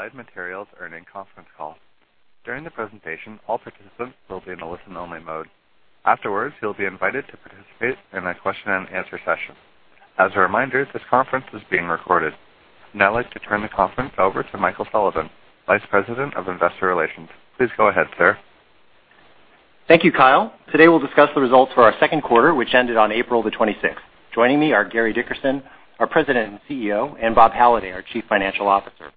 Applied Materials earnings conference call. During the presentation, all participants will be in a listen-only mode. Afterwards, you'll be invited to participate in a question and answer session. As a reminder, this conference is being recorded. I'd now like to turn the conference over to Michael Sullivan, Vice President of Investor Relations. Please go ahead, sir. Thank you, Kyle. Today, we'll discuss the results for our second quarter, which ended on April the 26th. Joining me are Gary Dickerson, our President and CEO, and Bob Halliday, our Chief Financial Officer.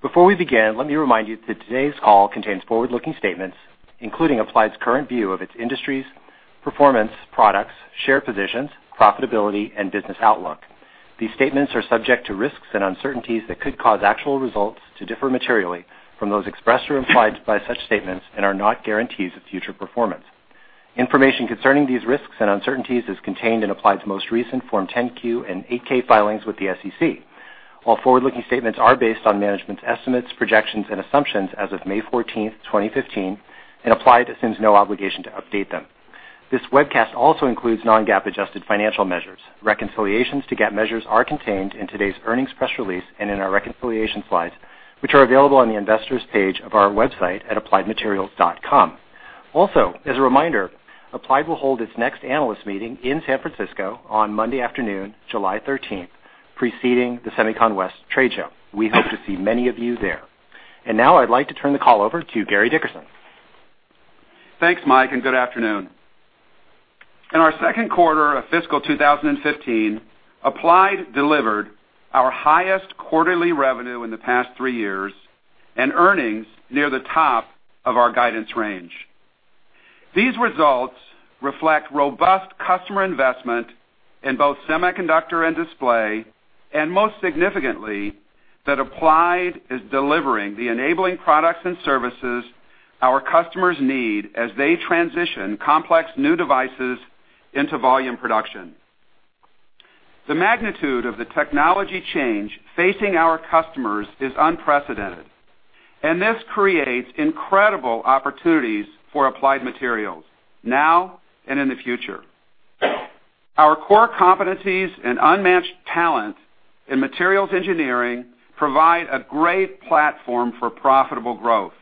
Before we begin, let me remind you that today's call contains forward-looking statements, including Applied's current view of its industry's performance, products, share positions, profitability, and business outlook. These statements are subject to risks and uncertainties that could cause actual results to differ materially from those expressed or implied by such statements and are not guarantees of future performance. Information concerning these risks and uncertainties is contained in Applied's most recent Form 10-Q and 8-K filings with the SEC. All forward-looking statements are based on management's estimates, projections, and assumptions as of May 14th, 2015, and Applied assumes no obligation to update them. This webcast also includes non-GAAP adjusted financial measures. Reconciliations to GAAP measures are contained in today's earnings press release and in our reconciliation slides, which are available on the investors page of our website at appliedmaterials.com. Also, as a reminder, Applied will hold its next analyst meeting in San Francisco on Monday afternoon, July 13th, preceding the SEMICON West trade show. We hope to see many of you there. Now I'd like to turn the call over to Gary Dickerson. Thanks, Mike. Good afternoon. In our second quarter of fiscal 2015, Applied delivered our highest quarterly revenue in the past three years and earnings near the top of our guidance range. These results reflect robust customer investment in both semiconductor and display, and most significantly, that Applied is delivering the enabling products and services our customers need as they transition complex new devices into volume production. The magnitude of the technology change facing our customers is unprecedented, and this creates incredible opportunities for Applied Materials now and in the future. Our core competencies and unmatched talent in materials engineering provide a great platform for profitable growth.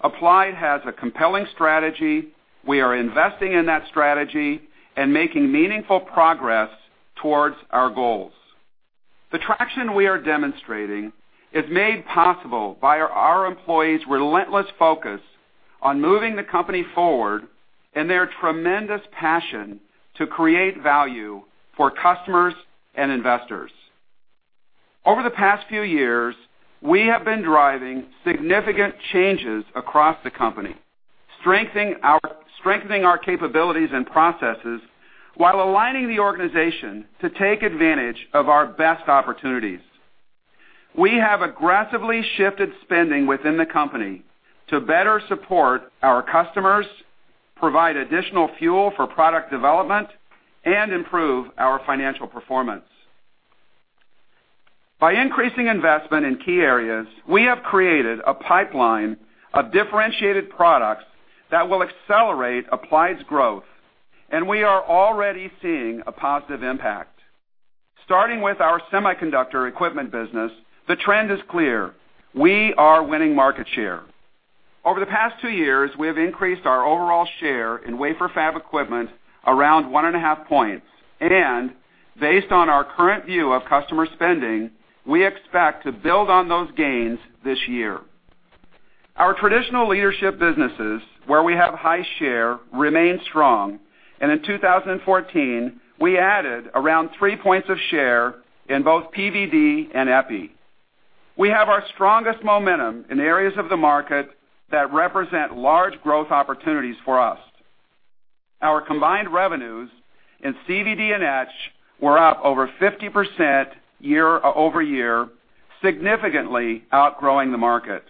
Applied has a compelling strategy. We are investing in that strategy and making meaningful progress towards our goals. The traction we are demonstrating is made possible by our employees' relentless focus on moving the company forward and their tremendous passion to create value for customers and investors. Over the past few years, we have been driving significant changes across the company, strengthening our capabilities and processes while aligning the organization to take advantage of our best opportunities. We have aggressively shifted spending within the company to better support our customers, provide additional fuel for product development, and improve our financial performance. By increasing investment in key areas, we have created a pipeline of differentiated products that will accelerate Applied's growth, and we are already seeing a positive impact. Starting with our semiconductor equipment business, the trend is clear. We are winning market share. Over the past two years, we have increased our overall share in wafer fab equipment around one and a half points. Based on our current view of customer spending, we expect to build on those gains this year. Our traditional leadership businesses, where we have high share, remain strong. In 2014, we added around three points of share in both PVD and EPI. We have our strongest momentum in areas of the market that represent large growth opportunities for us. Our combined revenues in CVD and etch were up over 50% year-over-year, significantly outgrowing the market.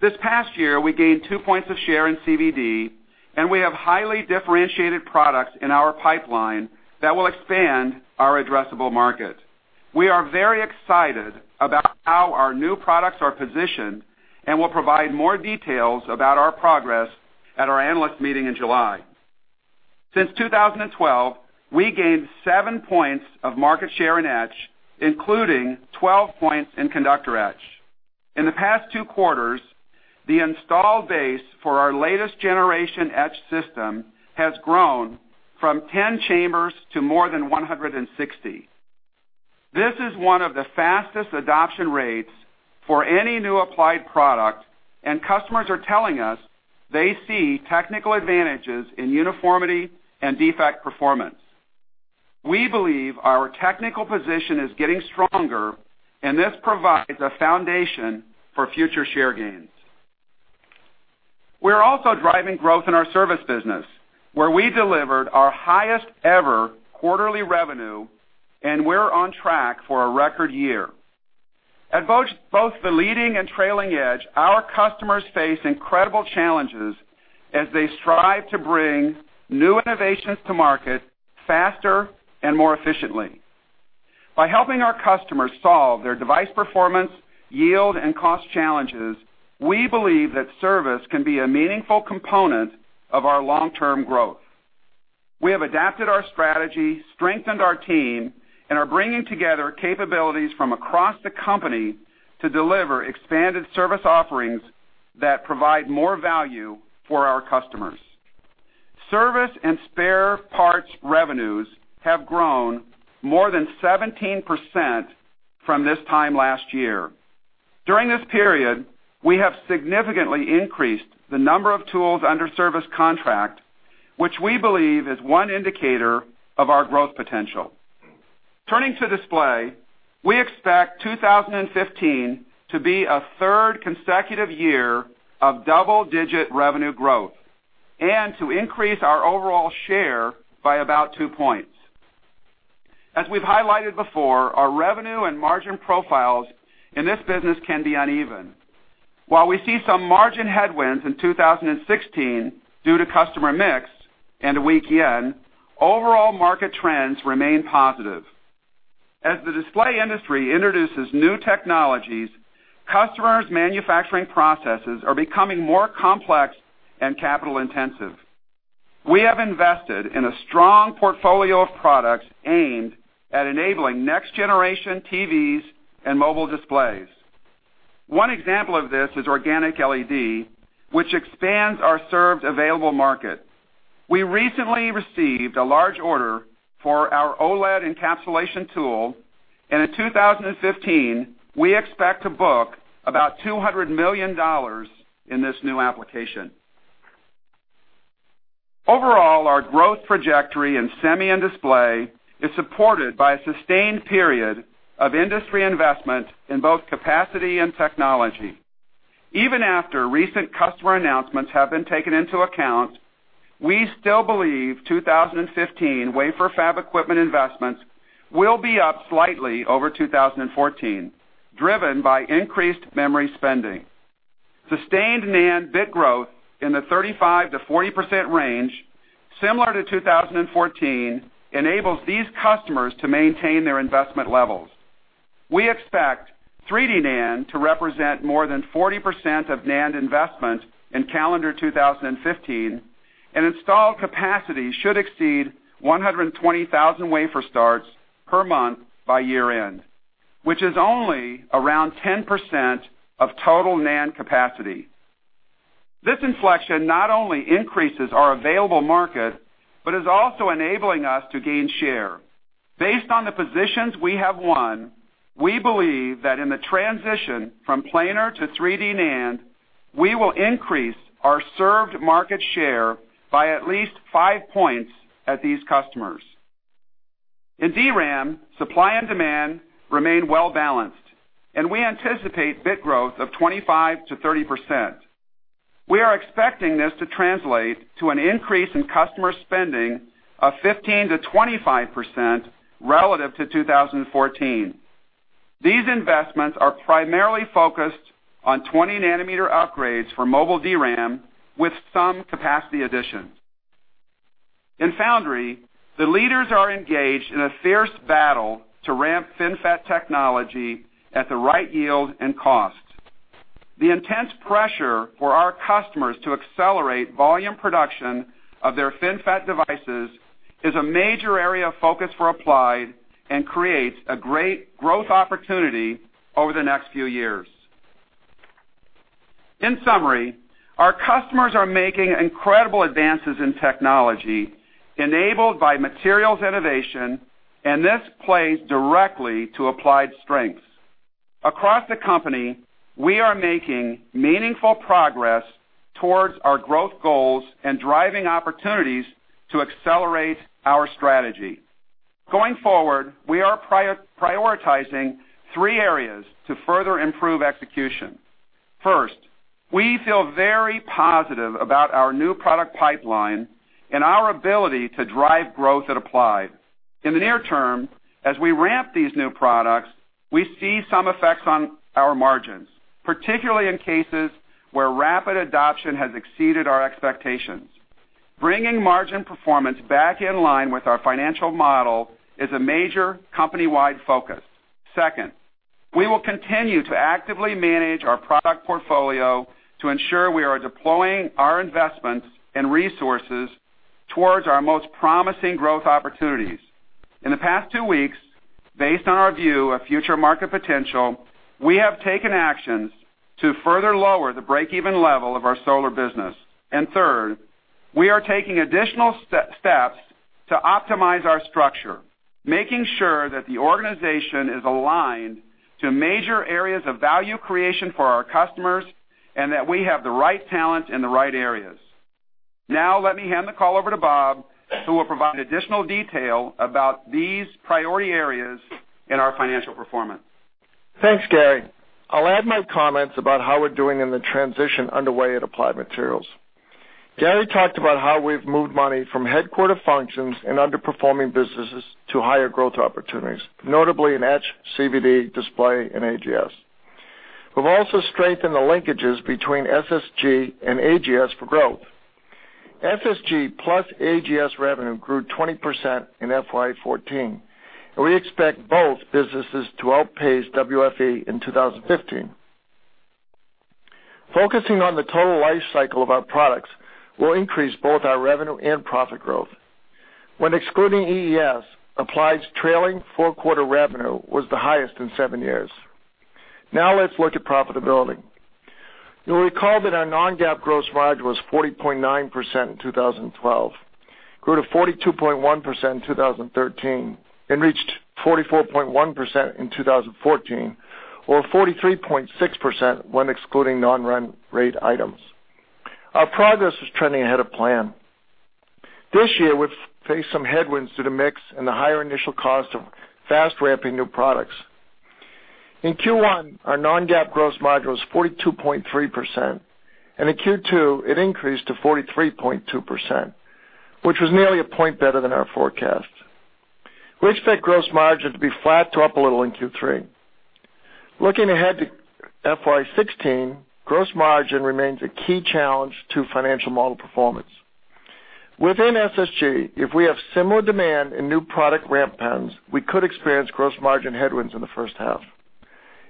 This past year, we gained two points of share in CVD, and we have highly differentiated products in our pipeline that will expand our addressable market. We are very excited about how our new products are positioned and will provide more details about our progress at our analyst meeting in July. Since 2012, we gained seven points of market share in etch, including 12 points in conductor etch. In the past two quarters, the installed base for our latest generation etch system has grown from 10 chambers to more than 160. This is one of the fastest adoption rates for any new Applied product, and customers are telling us they see technical advantages in uniformity and defect performance. We believe our technical position is getting stronger, and this provides a foundation for future share gains. We're also driving growth in our service business, where we delivered our highest-ever quarterly revenue, and we're on track for a record year. At both the leading and trailing edge, our customers face incredible challenges as they strive to bring new innovations to market faster and more efficiently. By helping our customers solve their device performance, yield, and cost challenges, we believe that service can be a meaningful component of our long-term growth. We have adapted our strategy, strengthened our team, and are bringing together capabilities from across the company to deliver expanded service offerings that provide more value for our customers. Service and spare parts revenues have grown more than 17% from this time last year. During this period, we have significantly increased the number of tools under service contract, which we believe is one indicator of our growth potential. Turning to display, we expect 2015 to be a third consecutive year of double-digit revenue growth and to increase our overall share by about two points. As we've highlighted before, our revenue and margin profiles in this business can be uneven. While we see some margin headwinds in 2016 due to customer mix and a weak yen, overall market trends remain positive. As the display industry introduces new technologies, customers' manufacturing processes are becoming more complex and capital-intensive. We have invested in a strong portfolio of products aimed at enabling next-generation TVs and mobile displays. One example of this is organic LED, which expands our served available market. We recently received a large order for our OLED encapsulation tool, and in 2015, we expect to book about $200 million in this new application. Overall, our growth trajectory in semi and display is supported by a sustained period of industry investment in both capacity and technology. Even after recent customer announcements have been taken into account, we still believe 2015 wafer fab equipment investments will be up slightly over 2014, driven by increased memory spending. Sustained NAND bit growth in the 35%-40% range, similar to 2014, enables these customers to maintain their investment levels. We expect 3D NAND to represent more than 40% of NAND investment in calendar 2015, and installed capacity should exceed 120,000 wafer starts per month by year-end, which is only around 10% of total NAND capacity. This inflection not only increases our available market but is also enabling us to gain share. Based on the positions we have won, we believe that in the transition from planar to 3D NAND, we will increase our served market share by at least five points at these customers. In DRAM, supply and demand remain well-balanced. We anticipate bit growth of 25%-30%. We are expecting this to translate to an increase in customer spending of 15%-25% relative to 2014. These investments are primarily focused on 20-nanometer upgrades for mobile DRAM with some capacity additions. In foundry, the leaders are engaged in a fierce battle to ramp FinFET technology at the right yield and cost. The intense pressure for our customers to accelerate volume production of their FinFET devices is a major area of focus for Applied and creates a great growth opportunity over the next few years. In summary, our customers are making incredible advances in technology enabled by materials innovation, and this plays directly to Applied's strengths. Across the company, we are making meaningful progress towards our growth goals and driving opportunities to accelerate our strategy. Going forward, we are prioritizing three areas to further improve execution. First, we feel very positive about our new product pipeline and our ability to drive growth at Applied. In the near term, as we ramp these new products, we see some effects on our margins, particularly in cases where rapid adoption has exceeded our expectations. Bringing margin performance back in line with our financial model is a major company-wide focus. Second, we will continue to actively manage our product portfolio to ensure we are deploying our investments and resources towards our most promising growth opportunities. In the past two weeks, based on our view of future market potential, we have taken actions to further lower the break-even level of our solar business. Third, we are taking additional steps to optimize our structure, making sure that the organization is aligned to major areas of value creation for our customers and that we have the right talent in the right areas. Now, let me hand the call over to Bob, who will provide additional detail about these priority areas and our financial performance. Thanks, Gary. I'll add my comments about how we're doing in the transition underway at Applied Materials. Gary talked about how we've moved money from headquarter functions and underperforming businesses to higher growth opportunities, notably in etch, CVD, display, and AGS. We've also strengthened the linkages between SSG and AGS for growth. SSG plus AGS revenue grew 20% in FY 2014, and we expect both businesses to outpace WFE in 2015. Focusing on the total life cycle of our products will increase both our revenue and profit growth. When excluding EES, Applied's trailing four-quarter revenue was the highest in seven years. Now let's look at profitability. You'll recall that our non-GAAP gross margin was 40.9% in 2012, grew to 42.1% in 2013, and reached 44.1% in 2014, or 43.6% when excluding non-run-rate items. Our progress is trending ahead of plan. This year, we've faced some headwinds due to mix and the higher initial cost of fast ramping new products. In Q1, our non-GAAP gross margin was 42.3%, and in Q2, it increased to 43.2%, which was nearly a point better than our forecast. We expect gross margin to be flat to up a little in Q3. Looking ahead to FY 2016, gross margin remains a key challenge to financial model performance. Within SSG, if we have similar demand and new product ramp times, we could experience gross margin headwinds in the first half.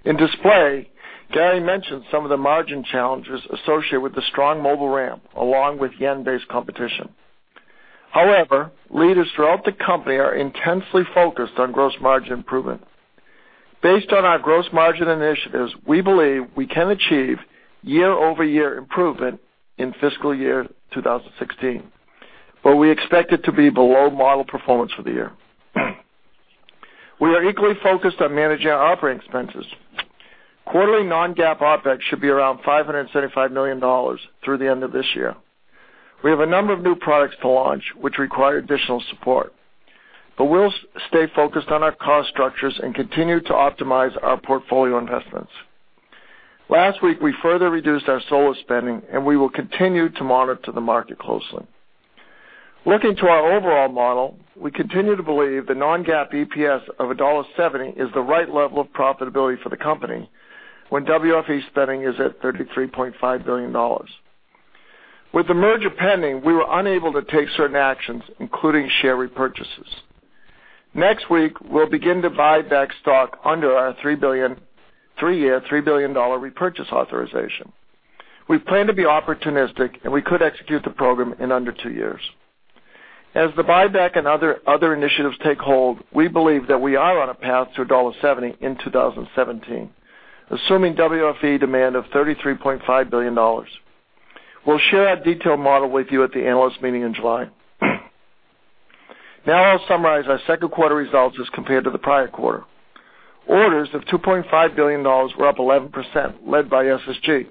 In display, Gary mentioned some of the margin challenges associated with the strong mobile ramp, along with JPY-based competition. However, leaders throughout the company are intensely focused on gross margin improvement. Based on our gross margin initiatives, we believe we can achieve year-over-year improvement in fiscal year 2016, but we expect it to be below model performance for the year. We are equally focused on managing our operating expenses. Quarterly non-GAAP OpEx should be around $575 million through the end of this year. We have a number of new products to launch, which require additional support, but we'll stay focused on our cost structures and continue to optimize our portfolio investments. Last week, we further reduced our solar spending, and we will continue to monitor the market closely. Looking to our overall model, we continue to believe the non-GAAP EPS of $1.70 is the right level of profitability for the company when WFE spending is at $33.5 billion. With the merger pending, we were unable to take certain actions, including share repurchases. Next week, we'll begin to buy back stock under our three-year, $3 billion repurchase authorization. We plan to be opportunistic, and we could execute the program in under two years. As the buyback and other initiatives take hold, we believe that we are on a path to $1.70 in 2017, assuming WFE demand of $33.5 billion. We'll share our detailed model with you at the analyst meeting in July. I'll summarize our second quarter results as compared to the prior quarter. Orders of $2.5 billion were up 11%, led by SSG.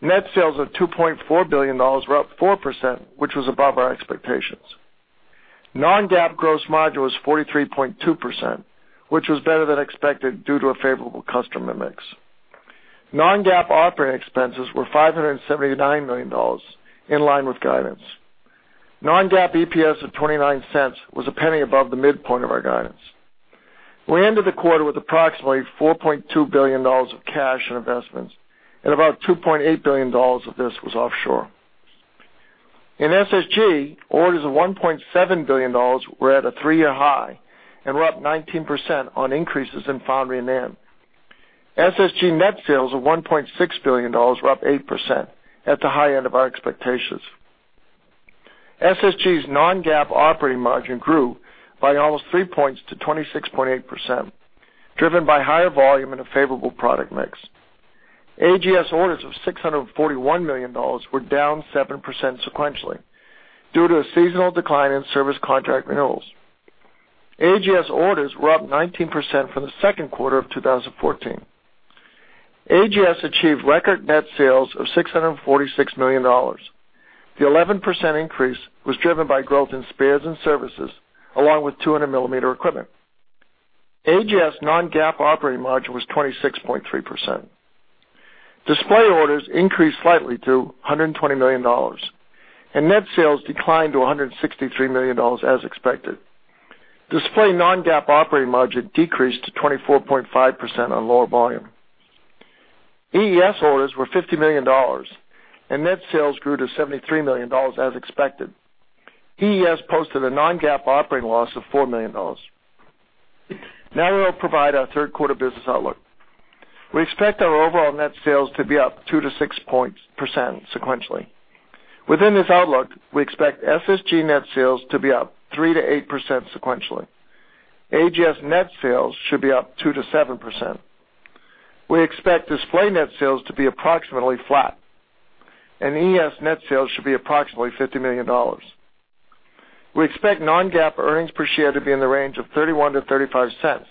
Net sales of $2.4 billion were up 4%, which was above our expectations. Non-GAAP gross margin was 43.2%, which was better than expected due to a favorable customer mix. Non-GAAP operating expenses were $579 million, in line with guidance. Non-GAAP EPS of $0.29 was a penny above the midpoint of our guidance. We ended the quarter with approximately $4.2 billion of cash and investments, and about $2.8 billion of this was offshore. In SSG, orders of $1.7 billion were at a three-year high and were up 19% on increases in foundry and IM. SSG net sales of $1.6 billion were up 8%, at the high end of our expectations. SSG's non-GAAP operating margin grew by almost three points to 26.8%, driven by higher volume and a favorable product mix. AGS orders of $641 million were down 7% sequentially due to a seasonal decline in service contract renewals. AGS orders were up 19% from the second quarter of 2014. AGS achieved record net sales of $646 million. The 11% increase was driven by growth in spares and services, along with 200-millimeter equipment. AGS non-GAAP operating margin was 26.3%. Display orders increased slightly to $120 million, and net sales declined to $163 million as expected. Display non-GAAP operating margin decreased to 24.5% on lower volume. EES orders were $50 million, and net sales grew to $73 million as expected. EES posted a non-GAAP operating loss of $4 million. I will provide our third quarter business outlook. We expect our overall net sales to be up 2%-6% sequentially. Within this outlook, we expect SSG net sales to be up 3%-8% sequentially. AGS net sales should be up 2%-7%. We expect display net sales to be approximately flat, and EES net sales should be approximately $50 million. We expect non-GAAP earnings per share to be in the range of $0.31-$0.35,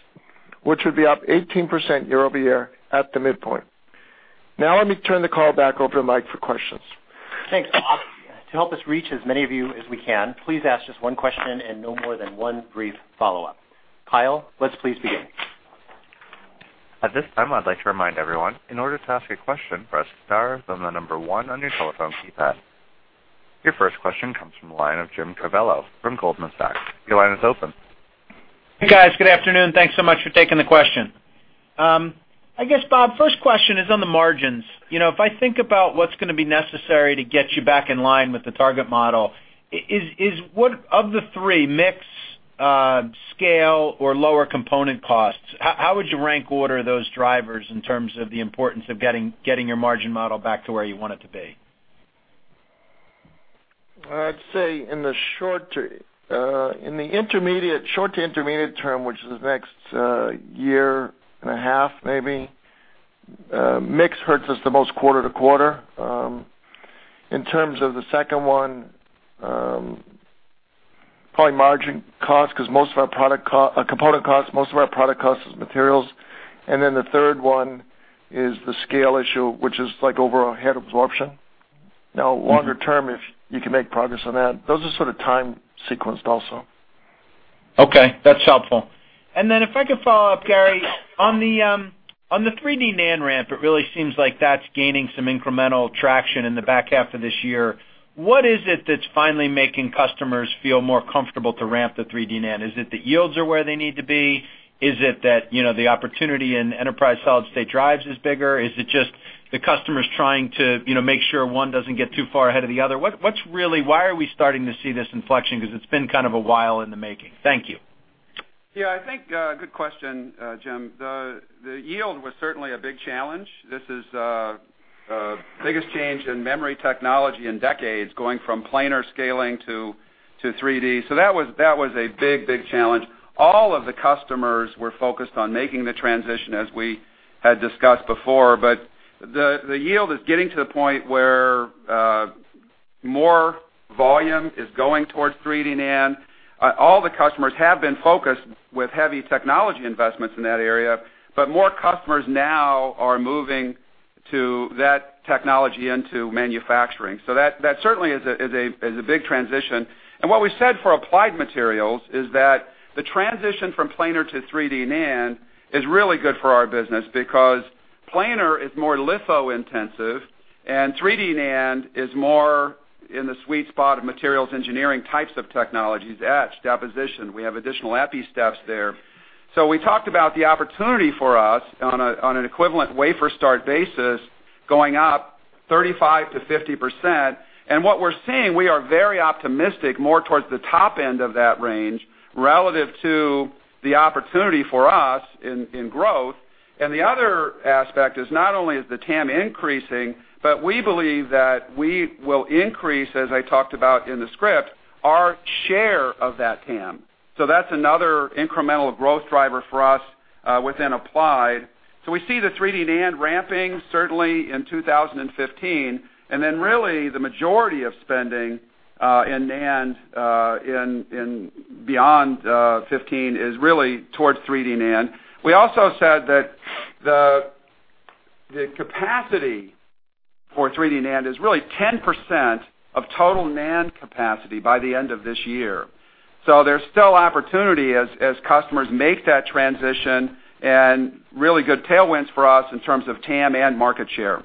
which would be up 18% year-over-year at the midpoint. Let me turn the call back over to Mike for questions. Thanks, Bob. To help us reach as many of you as we can, please ask just one question and no more than one brief follow-up. Kyle, let's please begin. At this time, I'd like to remind everyone, in order to ask a question, press star, then the number 1 on your telephone keypad. Your first question comes from the line of Jim Covello from Goldman Sachs. Your line is open. Hey, guys. Good afternoon. Thanks so much for taking the question. I guess, Bob, first question is on the margins. If I think about what's going to be necessary to get you back in line with the target model, of the three, mix, scale or lower component costs. How would you rank order those drivers in terms of the importance of getting your margin model back to where you want it to be? I'd say in the short to intermediate term, which is the next year and a half, maybe, mix hurts us the most quarter to quarter. In terms of the second one, probably margin cost, because most of our component costs, most of our product cost is materials. Then the third one is the scale issue, which is like overhead absorption. Now, longer-term, if you can make progress on that, those are sort of time sequenced also. Okay, that's helpful. If I could follow up, Gary, on the 3D NAND ramp, it really seems like that's gaining some incremental traction in the back half of this year. What is it that's finally making customers feel more comfortable to ramp the 3D NAND? Is it that yields are where they need to be? Is it that the opportunity in enterprise solid-state drives is bigger? Is it just the customers trying to make sure one doesn't get too far ahead of the other? Why are we starting to see this inflection? Because it's been kind of a while in the making. Thank you. Yeah, I think, good question, Jim. The yield was certainly a big challenge. This is the biggest change in memory technology in decades, going from planar scaling to 3D. That was a big challenge. All of the customers were focused on making the transition, as we had discussed before, the yield is getting to the point where more volume is going towards 3D NAND. All the customers have been focused with heavy technology investments in that area, more customers now are moving to that technology into manufacturing. That certainly is a big transition. What we said for Applied Materials is that the transition from planar to 3D NAND is really good for our business, because planar is more litho-intensive, 3D NAND is more in the sweet spot of materials engineering types of technologies, etch, deposition. We have additional Epi steps there. We talked about the opportunity for us on an equivalent wafer start basis, going up 35%-50%, what we're seeing, we are very optimistic more towards the top end of that range, relative to the opportunity for us in growth. The other aspect is not only is the TAM increasing, we believe that we will increase, as I talked about in the script, our share of that TAM. That's another incremental growth driver for us within Applied. We see the 3D NAND ramping certainly in 2015, really the majority of spending in NAND beyond 2015 is really towards 3D NAND. We also said that the capacity for 3D NAND is really 10% of total NAND capacity by the end of this year. There's still opportunity as customers make that transition and really good tailwinds for us in terms of TAM and market share.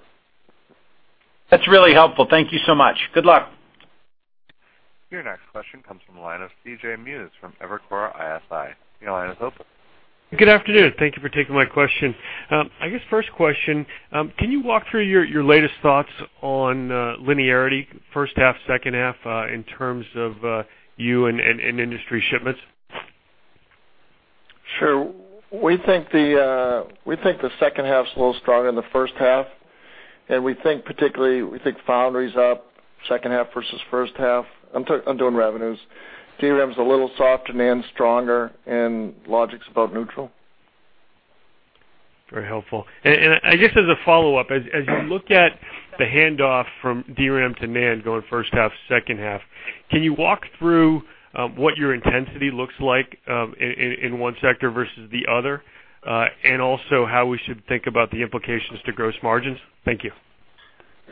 That's really helpful. Thank you so much. Good luck. Your next question comes from the line of C.J. Muse from Evercore ISI. Your line is open. Good afternoon. Thank you for taking my question. I guess first question, can you walk through your latest thoughts on linearity, first half, second half, in terms of you and industry shipments? Sure. We think the second half's a little stronger than the first half. We think foundry's up second half versus first half. I'm doing revenues. DRAM's a little soft. NAND's stronger. Logic's about neutral. Very helpful. I guess as a follow-up, as you look at the handoff from DRAM to NAND going first half, second half, can you walk through what your intensity looks like in one sector versus the other? Also how we should think about the implications to gross margins? Thank you.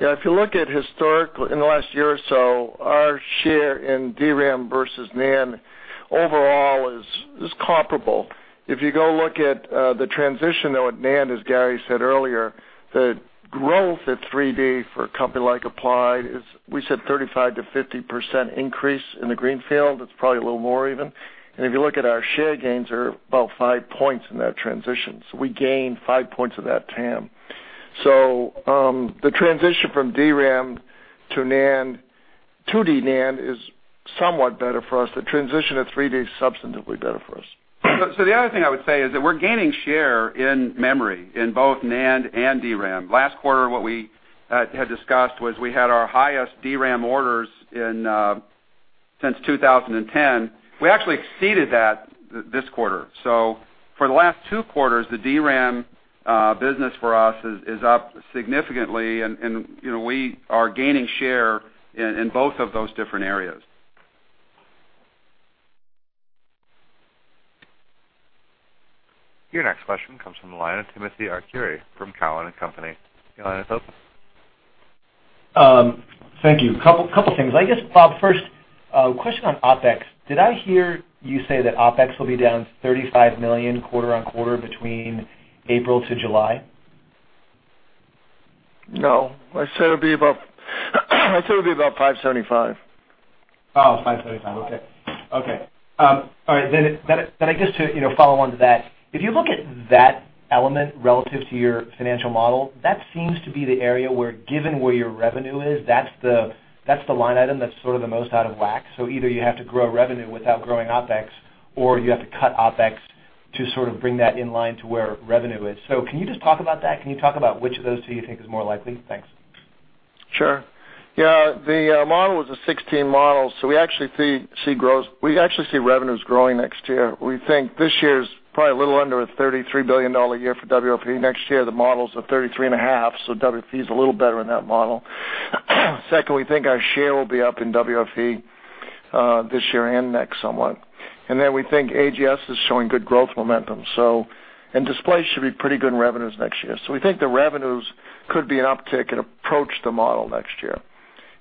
If you look at historically in the last year or so, our share in DRAM versus NAND overall is comparable. If you go look at the transition, though, at NAND, as Gary said earlier, the growth at 3D for a company like Applied is, we said 35%-50% increase in the greenfield. It's probably a little more even. If you look at our share gains are about five points in that transition. We gained five points of that TAM. The transition from DRAM to 2D NAND is somewhat better for us. The transition to 3D is substantively better for us. The other thing I would say is that we're gaining share in memory in both NAND and DRAM. Last quarter, what we had discussed was we had our highest DRAM orders since 2010. We actually exceeded that this quarter. For the last two quarters, the DRAM business for us is up significantly, and we are gaining share in both of those different areas. Your next question comes from the line of Timothy Arcuri from Cowen and Company. Your line is open. Thank you. Couple things. I guess, Bob, first, a question on OpEx. Did I hear you say that OpEx will be down $35 million quarter-on-quarter between April to July? No. I said it'll be about $575 million. Oh, $575 million. Okay. All right. I guess to follow onto that, if you look at that element relative to your financial model, that seems to be the area where, given where your revenue is, that's the line item that's sort of the most out of whack. Either you have to grow revenue without growing OpEx, or you have to cut OpEx to sort of bring that in line to where revenue is. Can you just talk about that? Can you talk about which of those two you think is more likely? Thanks. Sure. Yeah. The model was a 2016 model, we actually see revenues growing next year. We think this year's probably a little under a $33 billion year for WFE. Next year, the model's at $33.5 billion, WFE is a little better in that model. Second, we think our share will be up in WFE, this year and next somewhat. We think AGS is showing good growth momentum, and display should be pretty good in revenues next year. We think the revenues could be an uptick and approach the model next year.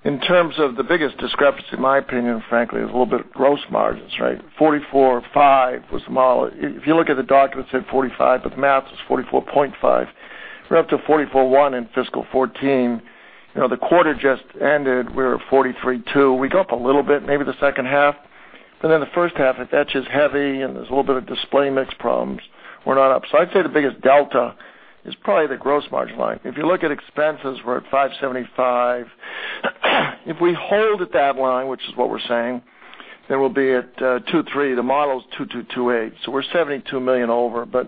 In terms of the biggest discrepancy, in my opinion, frankly, is a little bit of gross margins, right? 44.5% was the model. If you look at the documents, it said 45%, but the math says 44.5%. We're up to 44.1% in fiscal 2014. The quarter just ended, we were at 43.2%. We go up a little bit, maybe the second half, in the first half, etch is heavy, and there's a little bit of display mix problems. We're not up. I'd say the biggest delta is probably the gross margin line. If you look at expenses, we're at $575. If we hold at that line, which is what we're saying, we'll be at $23. The model is $2.228 billion, we're $72 million over, a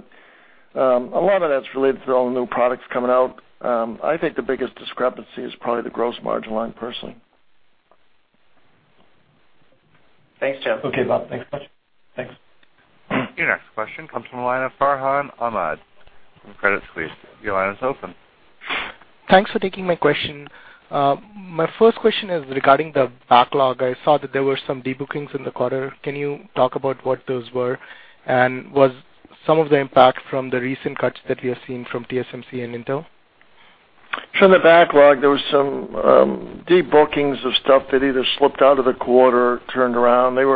lot of that's related to all the new products coming out. I think the biggest discrepancy is probably the gross margin line, personally. Thanks, Tim. Okay, Bob. Thanks much. Thanks. Your next question comes from the line of Farhan Ahmad from Credit Suisse. Your line is open. Thanks for taking my question. My first question is regarding the backlog. I saw that there were some debookings in the quarter. Can you talk about what those were? Was some of the impact from the recent cuts that we have seen from TSMC and Intel? From the backlog, there was some debookings of stuff that either slipped out of the quarter, turned around. There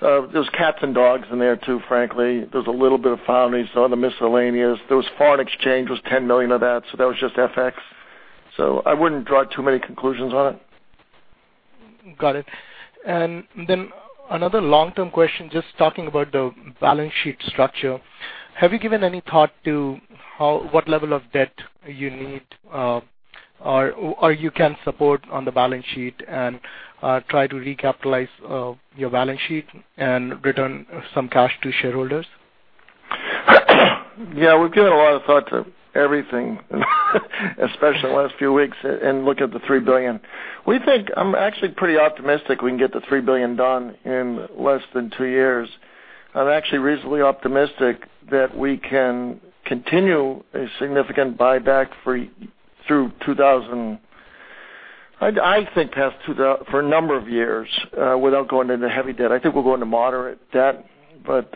was cats and dogs in there, too, frankly. There was a little bit of foundries, some of the miscellaneous. There was foreign exchange, was $10 million of that, so that was just FX. I wouldn't draw too many conclusions on it. Got it. Another long-term question, just talking about the balance sheet structure. Have you given any thought to what level of debt you need, or you can support on the balance sheet and try to recapitalize your balance sheet and return some cash to shareholders? Yeah, we've given a lot of thought to everything, especially the last few weeks. Look at the $3 billion. I'm actually pretty optimistic we can get the $3 billion done in less than two years. I'm actually reasonably optimistic that we can continue a significant buyback for a number of years, without going into heavy debt. I think we'll go into moderate debt.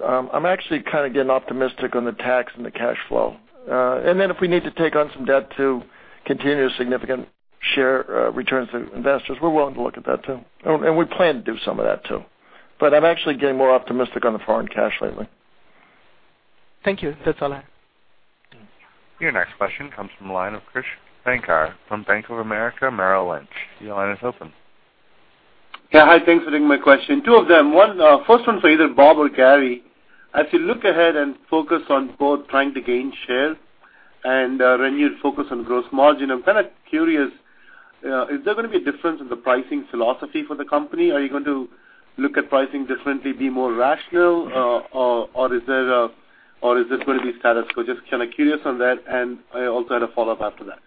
I'm actually kind of getting optimistic on the tax and the cash flow. If we need to take on some debt to continue significant share returns to investors, we're willing to look at that too. We plan to do some of that, too. I'm actually getting more optimistic on the foreign cash lately. Thank you. That's all I have. Your next question comes from the line of Krish Sankar from Bank of America Merrill Lynch. Your line is open. Yeah. Hi, thanks for taking my question. Two of them. First one's for either Bob or Gary. As you look ahead and focus on both trying to gain share and renewed focus on gross margin, I'm kind of curious, is there going to be a difference in the pricing philosophy for the company? Are you going to look at pricing differently, be more rational, or is this going to be status quo? Just kind of curious on that, and I also had a follow-up after that.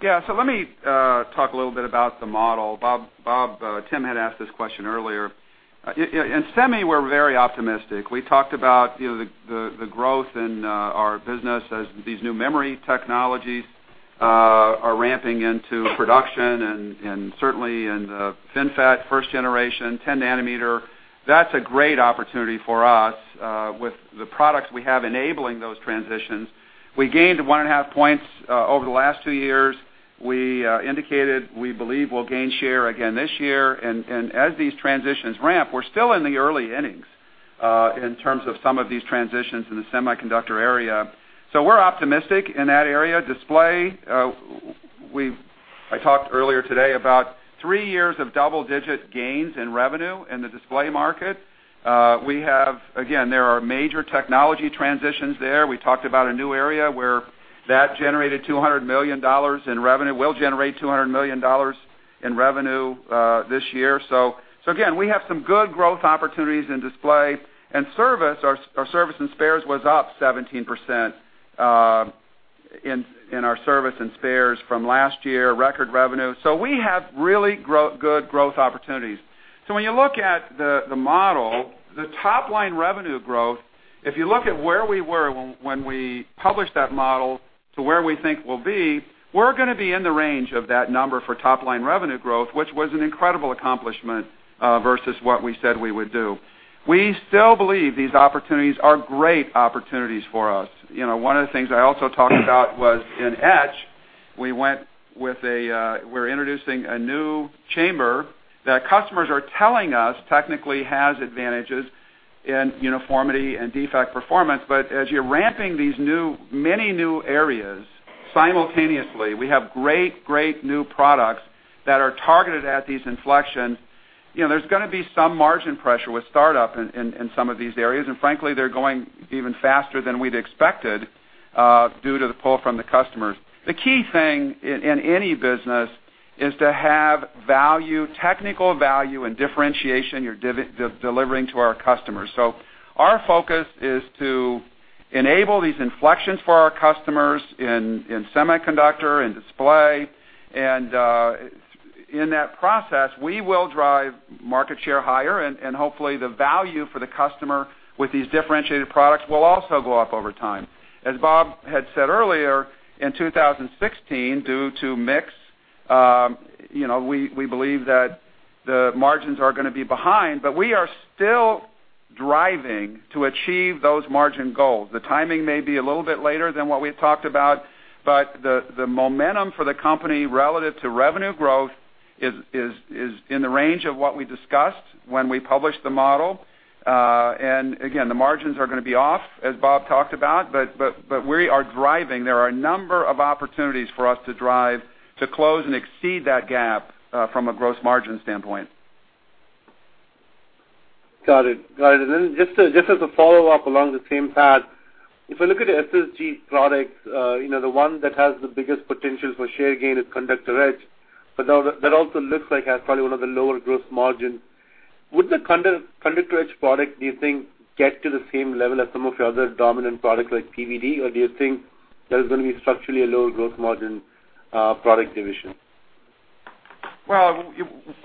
Yeah. Let me talk a little bit about the model. Bob, Tim had asked this question earlier. In semi, we're very optimistic. We talked about the growth in our business as these new memory technologies are ramping into production and certainly in FinFET, first generation, 10 nanometer. That's a great opportunity for us with the products we have enabling those transitions. We gained one and a half points over the last two years. We indicated we believe we'll gain share again this year. As these transitions ramp, we're still in the early innings in terms of some of these transitions in the semiconductor area. We're optimistic in that area. Display, I talked earlier today about three years of double-digit gains in revenue in the display market. Again, there are major technology transitions there. We talked about a new area where that will generate $200 million in revenue this year. Again, we have some good growth opportunities in display and service. Our service and spares was up 17% in our service and spares from last year, record revenue. We have really good growth opportunities. When you look at the model, the top-line revenue growth, if you look at where we were when we published that model to where we think we'll be, we're going to be in the range of that number for top-line revenue growth, which was an incredible accomplishment versus what we said we would do. We still believe these opportunities are great opportunities for us. One of the things I also talked about was in etch, we're introducing a new chamber that customers are telling us technically has advantages in uniformity and defect performance. As you're ramping these many new areas simultaneously, we have great new products that are targeted at these inflections. There's going to be some margin pressure with startup in some of these areas, and frankly, they're going even faster than we'd expected due to the pull from the customers. The key thing in any business is to have value, technical value and differentiation you're delivering to our customers. Our focus is to enable these inflections for our customers in semiconductor and display. In that process, we will drive market share higher and hopefully the value for the customer with these differentiated products will also go up over time. As Bob had said earlier, in 2016, due to mix, we believe that the margins are going to be behind, but we are still driving to achieve those margin goals. The timing may be a little bit later than what we've talked about, but the momentum for the company relative to revenue growth is in the range of what we discussed when we published the model. Again, the margins are going to be off, as Bob talked about, but we are driving. There are a number of opportunities for us to drive to close and exceed that gap from a gross margin standpoint. Got it. Just as a follow-up along the same path, if I look at the SSG products, the one that has the biggest potential for share gain is conductor etch, but that also looks like has probably one of the lower gross margin. Would the conductor etch product, do you think, get to the same level as some of your other dominant products like PVD, or do you think that is going to be structurally a lower gross margin product division?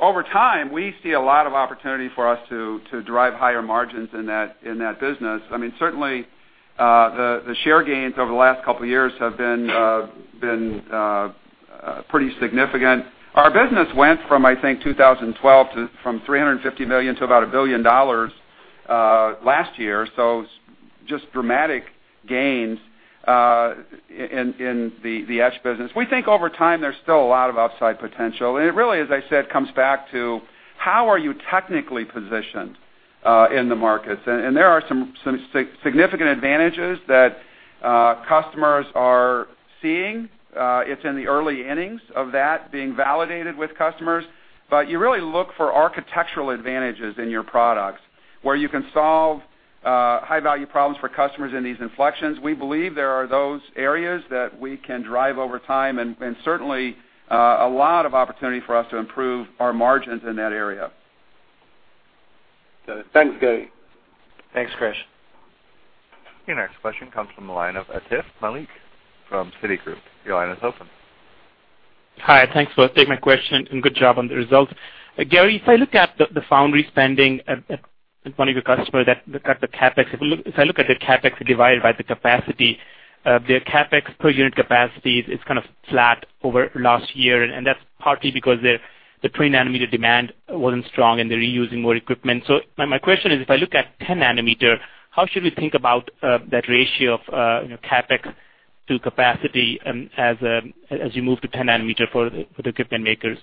Over time, we see a lot of opportunity for us to drive higher margins in that business. Certainly, the share gains over the last couple of years have been pretty significant. Our business went from, I think, 2012, from $350 million to about $1 billion last year. Just dramatic gains in the etch business. We think over time, there's still a lot of upside potential, and it really, as I said, comes back to how are you technically positioned in the markets, and there are some significant advantages that customers are seeing. It's in the early innings of that being validated with customers, but you really look for architectural advantages in your products where you can solve high-value problems for customers in these inflections. We believe there are those areas that we can drive over time, and certainly, a lot of opportunity for us to improve our margins in that area. Got it. Thanks, Gary. Thanks, Krish. Your next question comes from the line of Atif Malik from Citigroup. Your line is open. Hi, thanks for taking my question, and good job on the results. Gary, if I look at the foundry spending of one of your customers that cut the CapEx, if I look at the CapEx divided by the capacity, their CapEx per unit capacity is kind of flat over last year, and that's partly because the [inaudible] demand wasn't strong and they're reusing more equipment. My question is, if I look at 10-nanometer, how should we think about that ratio of CapEx to capacity as you move to 10-nanometer for the equipment makers?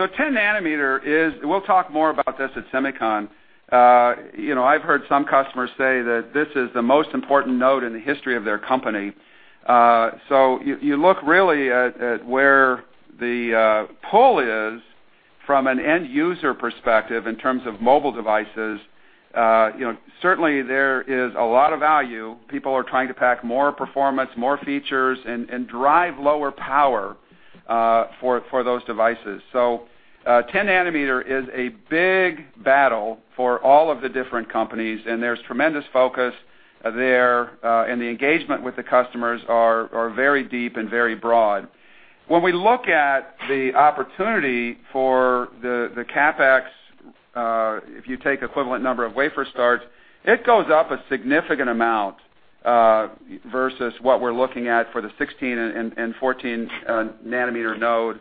10-nanometer is. We'll talk more about this at SEMICON. I've heard some customers say that this is the most important node in the history of their company. You look really at where the pull is from an end-user perspective in terms of mobile devices, certainly there is a lot of value. People are trying to pack more performance, more features, and drive lower power for those devices. 10-nanometer is a big battle for all of the different companies, and there's tremendous focus there, and the engagement with the customers are very deep and very broad. When we look at the opportunity for the CapEx, if you take equivalent number of wafer starts, it goes up a significant amount versus what we're looking at for the 16- and 14-nanometer node.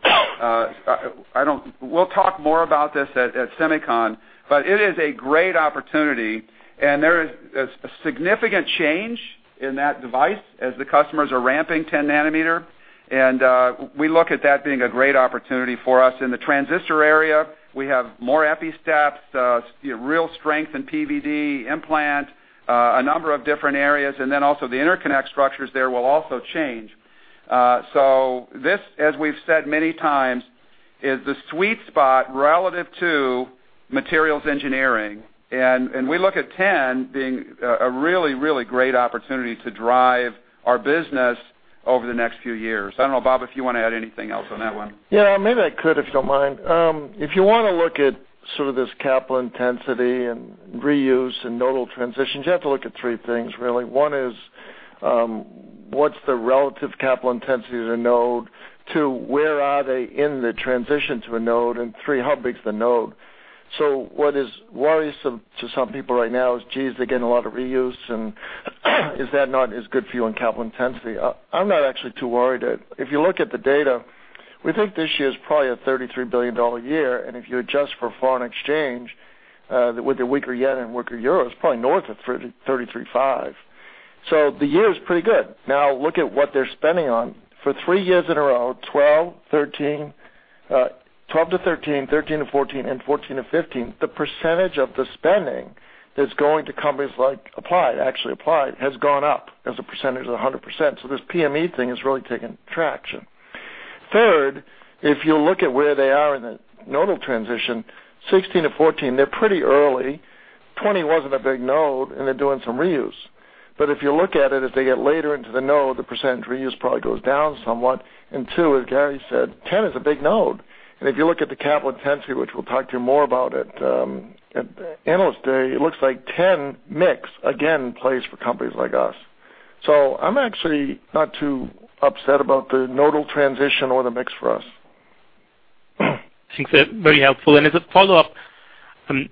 We'll talk more about this at SEMICON, but it is a great opportunity, and there is a significant change in that device as the customers are ramping 10-nanometer, and we look at that being a great opportunity for us. In the transistor area, we have more Epi steps, real strength in PVD, implant, a number of different areas, and then also the interconnect structures there will also change. This, as we've said many times, is the sweet spot relative to materials engineering, and we look at 10 being a really, really great opportunity to drive our business over the next few years. I don't know, Bob, if you want to add anything else on that one. Yeah, maybe I could, if you don't mind. If you want to look at sort of this capital intensity and reuse and nodal transitions, you have to look at three things, really. One is, what's the relative capital intensity of the node? Two, where are they in the transition to a node? Three, how big is the node? What is worrisome to some people right now is, geez, they're getting a lot of reuse, and is that not as good for you on capital intensity? I'm not actually too worried. If you look at the data, we think this year is probably a $33 billion year, and if you adjust for foreign exchange with the weaker JPY and weaker EUR, it's probably north of $33.5 billion. The year is pretty good. Now look at what they're spending on. For three years in a row, 2012-2013, 2013-2014, and 2014-2015, the percentage of the spending that's going to companies like Applied, actually Applied, has gone up as a percentage of 100%. This PME thing has really taken traction. Third, if you look at where they are in the nodal transition, 16 to 14, they're pretty early. 20 wasn't a big node, and they're doing some reuse. If you look at it, as they get later into the node, the percentage reuse probably goes down somewhat. Two, as Gary said, 10 is a big node. If you look at the capital intensity, which we'll talk to you more about at Analyst Day, it looks like 10 mix again plays for companies like us. I'm actually not too upset about the nodal transition or the mix for us. Thanks. Very helpful. As a follow-up,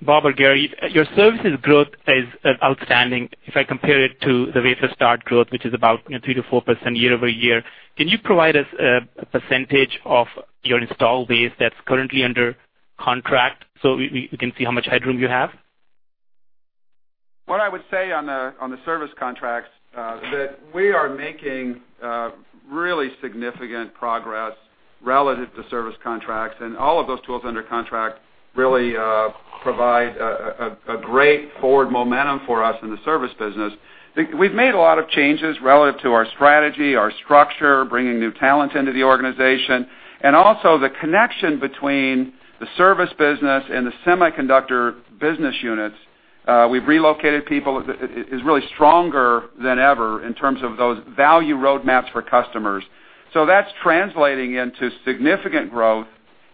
Bob or Gary, your services growth is outstanding if I compare it to the wafer start growth, which is about 3%-4% year-over-year. Can you provide us a percentage of your install base that's currently under contract so we can see how much headroom you have? What I would say on the service contracts, that we are making really significant progress relative to service contracts. All of those tools under contract really provide a great forward momentum for us in the service business. We've made a lot of changes relative to our strategy, our structure, bringing new talent into the organization, also the connection between the service business and the semiconductor business units. We've relocated people. It's really stronger than ever in terms of those value roadmaps for customers. That's translating into significant growth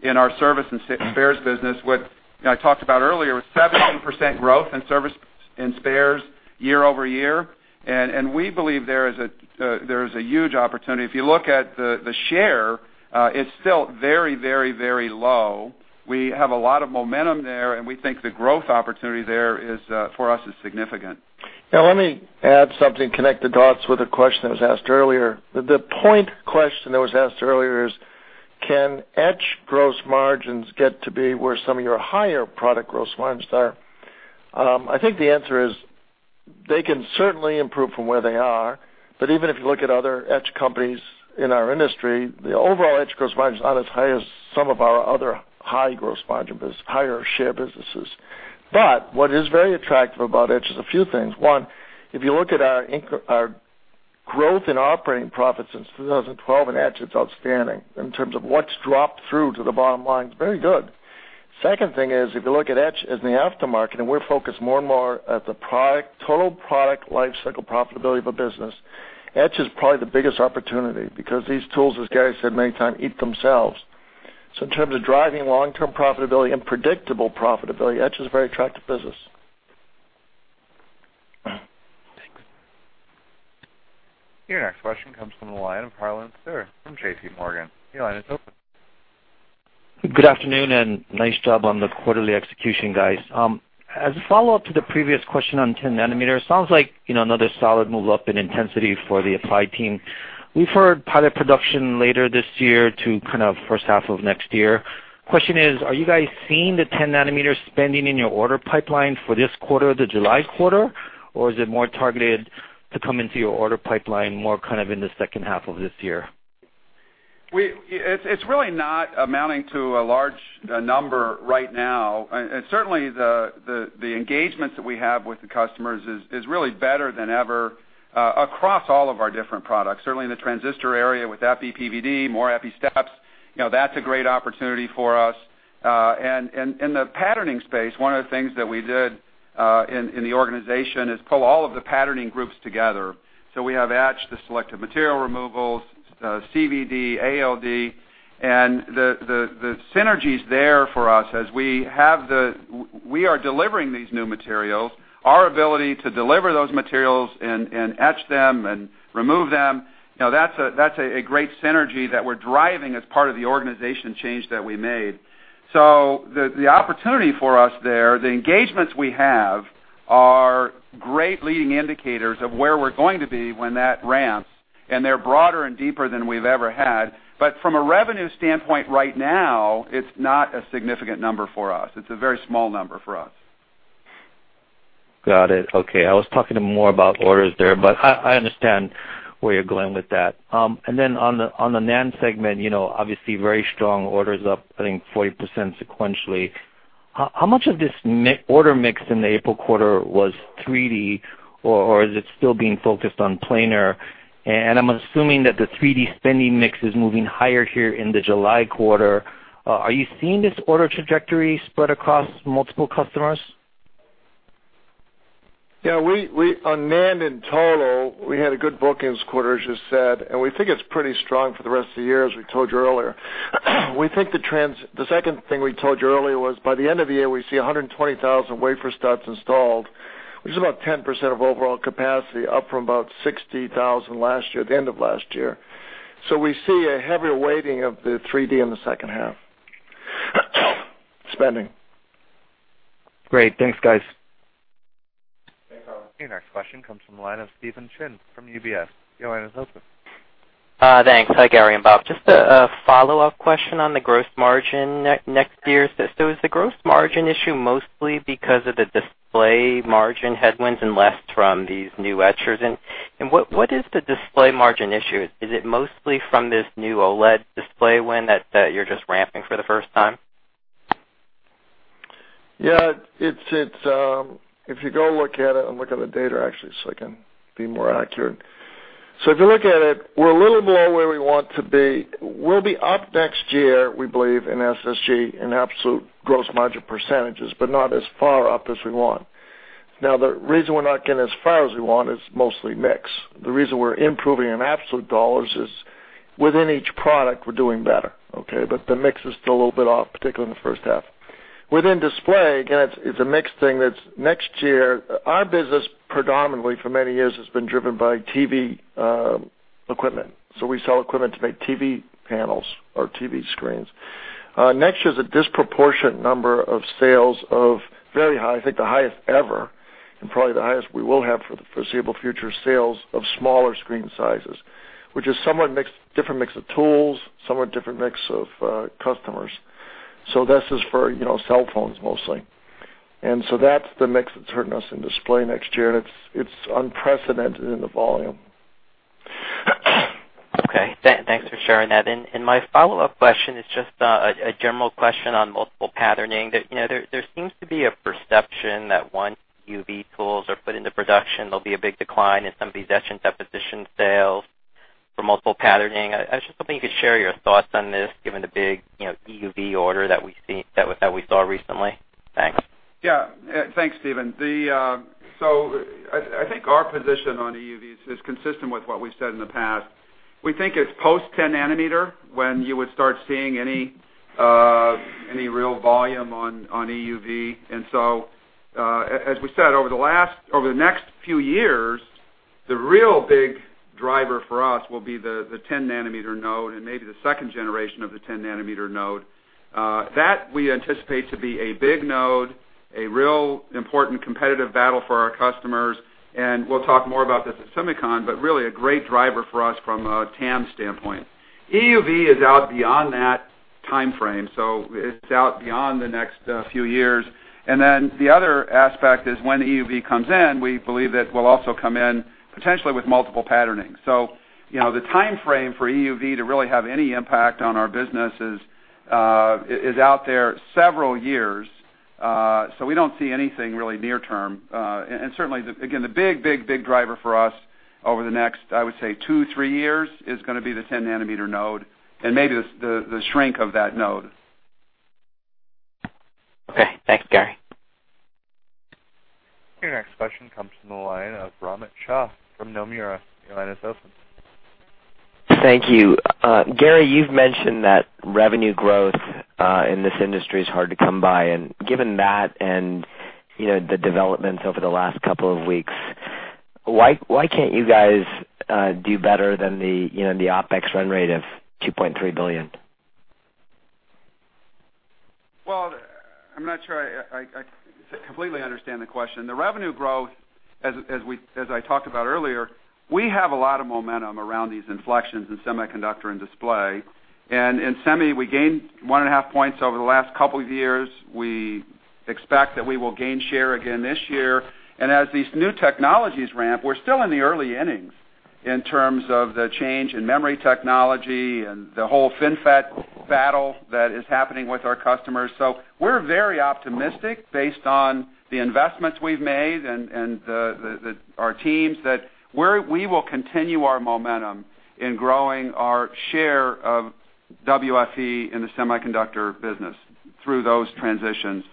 in our service and spares business. What I talked about earlier, 17% growth in service and spares year-over-year. We believe there is a huge opportunity. If you look at the share, it's still very low. We have a lot of momentum there, and we think the growth opportunity there is, for us, is significant. Let me add something, connect the dots with a question that was asked earlier. The point question that was asked earlier is, can etch gross margins get to be where some of your higher product gross margins are? I think the answer is they can certainly improve from where they are. Even if you look at other etch companies in our industry, the overall etch gross margin is not as high as some of our other high gross margin business, higher share businesses. What is very attractive about etch is a few things. One, if you look at our growth in operating profits since 2012 in etch, it's outstanding in terms of what's dropped through to the bottom line. It's very good. Second thing is, if you look at etch in the aftermarket, we're focused more and more at the total product life cycle profitability of a business, etch is probably the biggest opportunity because these tools, as Gary said many times, eat themselves. In terms of driving long-term profitability and predictable profitability, etch is a very attractive business. Thanks. Your next question comes from the line of Harlan Sur from JPMorgan. Your line is open. Good afternoon, nice job on the quarterly execution, guys. As a follow-up to the previous question on 10-nanometer, sounds like another solid move up in intensity for the Applied team. We've heard pilot production later this year to kind of first half of next year. Question is, are you guys seeing the 10-nanometer spending in your order pipeline for this quarter, the July quarter, or is it more targeted to come into your order pipeline more kind of in the second half of this year? It's really not amounting to a large number right now. Certainly, the engagement that we have with the customers is really better than ever across all of our different products. Certainly, in the transistor area with Epi PVD, more Epi steps, that's a great opportunity for us. In the patterning space, one of the things that we did in the organization is pull all of the patterning groups together. We have etch, the selective material removals, CVD, ALD. The synergy is there for us as we are delivering these new materials, our ability to deliver those materials and etch them and remove them, that's a great synergy that we're driving as part of the organization change that we made. The opportunity for us there, the engagements we have are great leading indicators of where we're going to be when that ramps, and they're broader and deeper than we've ever had. From a revenue standpoint right now, it's not a significant number for us. It's a very small number for us. Got it. Okay. I was talking more about orders there, but I understand where you're going with that. On the NAND segment, obviously very strong orders up, I think 40% sequentially. How much of this order mix in the April quarter was 3D, or is it still being focused on planar? I'm assuming that the 3D spending mix is moving higher here in the July quarter. Are you seeing this order trajectory spread across multiple customers? On NAND in total, we had a good bookings quarter, as you said, we think it's pretty strong for the rest of the year, as we told you earlier. The second thing we told you earlier was by the end of the year, we see 120,000 wafer starts installed, which is about 10% of overall capacity, up from about 60,000 at the end of last year. We see a heavier weighting of the 3D in the second half spending. Great. Thanks, guys. Thanks. Our next question comes from the line of Stephen Chin from UBS. Your line is open. Thanks. Hi, Gary and Bob. Just a follow-up question on the gross margin next year. Is the gross margin issue mostly because of the display margin headwinds and less from these new etchers? What is the display margin issue? Is it mostly from this new OLED display win that you're just ramping for the first time? Yeah. If you go look at it, I'm looking at the data actually, so I can be more accurate. If you look at it, we're a little below where we want to be. We'll be up next year, we believe, in SSG in absolute gross margin percentages, but not as far up as we want. Now, the reason we're not getting as far as we want is mostly mix. The reason we're improving in absolute dollars is within each product, we're doing better. Okay? The mix is still a little bit off, particularly in the first half. Within display, again, it's a mix thing that's next year. Our business predominantly for many years has been driven by TV equipment. We sell equipment to make TV panels or TV screens. Next year is a disproportionate number of sales of very high, I think the highest ever, and probably the highest we will have for the foreseeable future, sales of smaller screen sizes. Which is somewhat different mix of tools, somewhat different mix of customers. This is for cell phones mostly. That's the mix that's hurting us in display next year, and it's unprecedented in the volume. Okay, thanks for sharing that. My follow-up question is just a general question on multiple patterning. There seems to be a perception that once EUV tools are put into production, there'll be a big decline in some of these etch and deposition sales for multiple patterning. I was just hoping you could share your thoughts on this, given the big EUV order that we saw recently. Thanks. Yeah. Thanks, Stephen. I think our position on EUV is consistent with what we've said in the past. We think it's post 10-nanometer when you would start seeing any real volume on EUV. As we said, over the next few years, the real big driver for us will be the 10-nanometer node and maybe the second generation of the 10-nanometer node. That we anticipate to be a big node, a real important competitive battle for our customers, and we'll talk more about this at SEMICON, but really a great driver for us from a TAM standpoint. EUV is out beyond that timeframe, it's out beyond the next few years. The other aspect is when EUV comes in, we believe that will also come in potentially with multiple patterning. The timeframe for EUV to really have any impact on our business is out there several years. We don't see anything really near term. Certainly, again, the big driver for us over the next, I would say two, three years, is going to be the 10-nanometer node and maybe the shrink of that node. Okay. Thanks, Gary. Your next question comes from the line of Romit Shah from Nomura. Your line is open. Thank you. Gary, you've mentioned that revenue growth in this industry is hard to come by, given that and the developments over the last couple of weeks, why can't you guys do better than the OpEx run rate of $2.3 billion? Well, I'm not sure I completely understand the question. The revenue growth, as I talked about earlier, we have a lot of momentum around these inflections in semiconductor and display. In semi, we gained one and a half points over the last couple of years. We expect that we will gain share again this year. As these new technologies ramp, we're still in the early innings in terms of the change in memory technology and the whole FinFET battle that is happening with our customers. We're very optimistic based on the investments we've made and our teams, that we will continue our momentum in growing our share of WFE in the semiconductor business through those transitions.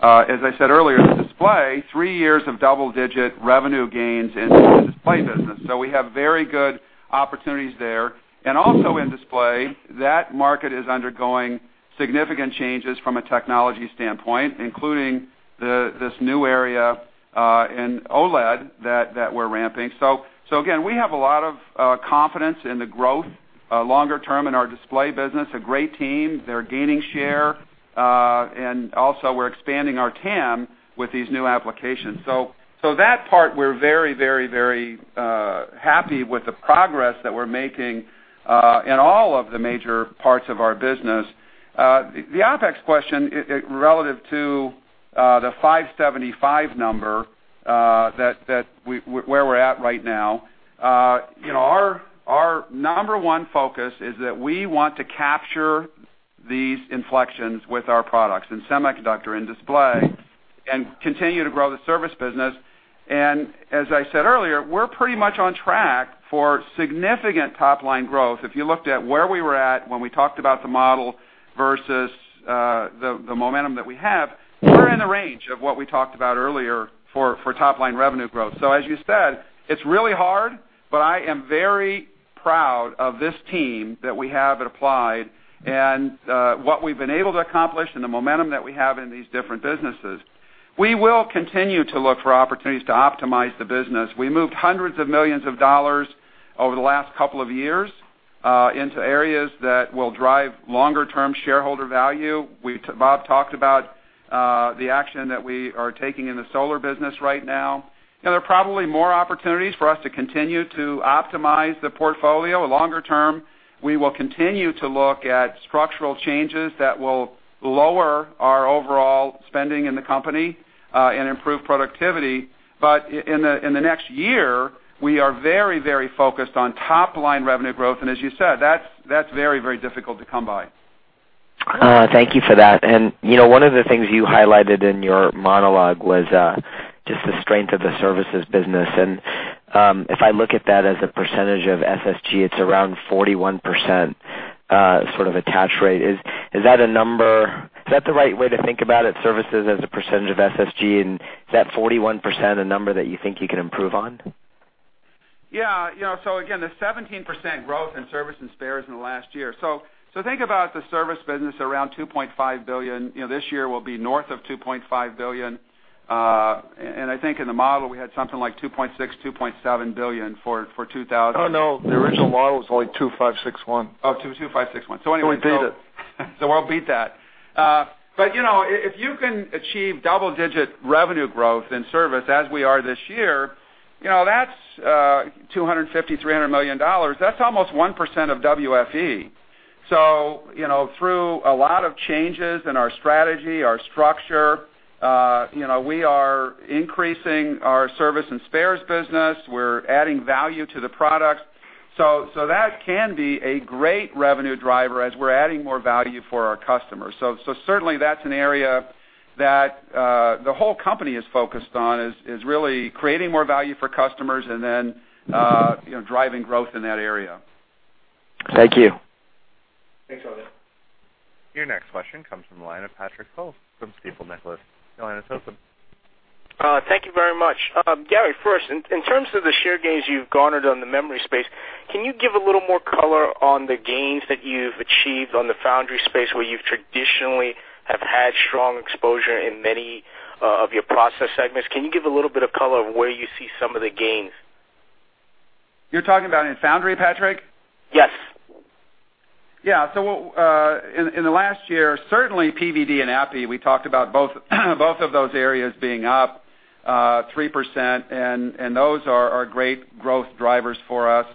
As I said earlier, the display, three years of double-digit revenue gains in the display business. We have very good opportunities there. Also in display, that market is undergoing significant changes from a technology standpoint, including this new area in OLED that we're ramping. Again, we have a lot of confidence in the growth longer term in our display business, a great team. They're gaining share, and also we're expanding our TAM with these new applications. That part, we're very happy with the progress that we're making, in all of the major parts of our business. The OpEx question, relative to the 575 number, where we're at right now. Our number 1 focus is that we want to capture these inflections with our products in semiconductor and display and continue to grow the service business. As I said earlier, we're pretty much on track for significant top-line growth. If you looked at where we were at when we talked about the model versus the momentum that we have, we're in the range of what we talked about earlier for top-line revenue growth. As you said, it's really hard, but I am very proud of this team that we have at Applied and what we've been able to accomplish and the momentum that we have in these different businesses. We will continue to look for opportunities to optimize the business. We moved hundreds of millions of dollars over the last couple of years, into areas that will drive longer-term shareholder value. Bob talked about the action that we are taking in the solar business right now, and there are probably more opportunities for us to continue to optimize the portfolio longer term. We will continue to look at structural changes that will lower our overall spending in the company, and improve productivity. In the next year, we are very focused on top-line revenue growth. As you said, that's very difficult to come by. Thank you for that. One of the things you highlighted in your monologue was just the strength of the services business. If I look at that as a percentage of SSG, it's around 41% sort of attach rate. Is that the right way to think about it, services as a percentage of SSG, and is that 41% a number that you think you can improve on? Yeah. Again, the 17% growth in service and spares in the last year. Think about the service business, around $2.5 billion. This year, we'll be north of $2.5 billion. I think in the model, we had something like $2.6, $2.7 billion for 2000. Oh, no, the original model was only $2.561. Oh, $2.561. anyway. We beat it. We'll beat that. If you can achieve double-digit revenue growth in service as we are this year, that's $250 million, $300 million. That's almost 1% of WFE. Through a lot of changes in our strategy, our structure, we are increasing our service and spares business. We're adding value to the products. That can be a great revenue driver as we're adding more value for our customers. Certainly, that's an area that the whole company is focused on, is really creating more value for customers and then driving growth in that area. Thank you. Thanks, Romit. Your next question comes from the line of Patrick Ho from Stifel Nicolaus. Your line is open. Thank you very much. Gary, first, in terms of the share gains you've garnered on the memory space, can you give a little more color on the foundry space where you've traditionally have had strong exposure in many of your process segments? Can you give a little bit of color of where you see some of the gains? You're talking about in foundry, Patrick? Yes. Yeah. In the last year, certainly PVD and Epi, we talked about both of those areas being up 3%, those are great growth drivers for us.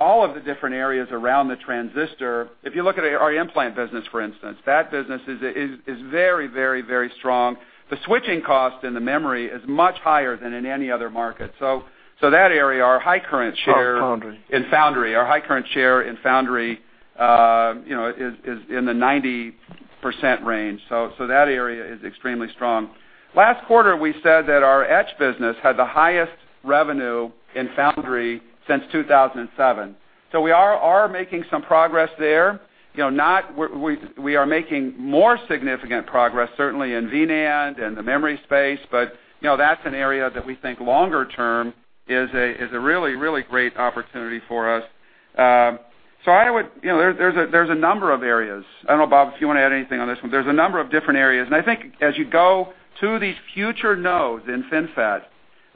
All of the different areas around the transistor, if you look at our implant business, for instance, that business is very strong. The switching cost in the memory is much higher than in any other market. That area, our high current share- Of foundry. In foundry. Our high current share in foundry is in the 90% range. That area is extremely strong. Last quarter, we said that our etch business had the highest revenue in foundry since 2007. We are making some progress there. We are making more significant progress, certainly in V-NAND and the memory space, but that's an area that we think longer term is a really great opportunity for us. There's a number of areas. I don't know, Bob, if you want to add anything on this one. There's a number of different areas, and I think as you go to these future nodes in FinFET,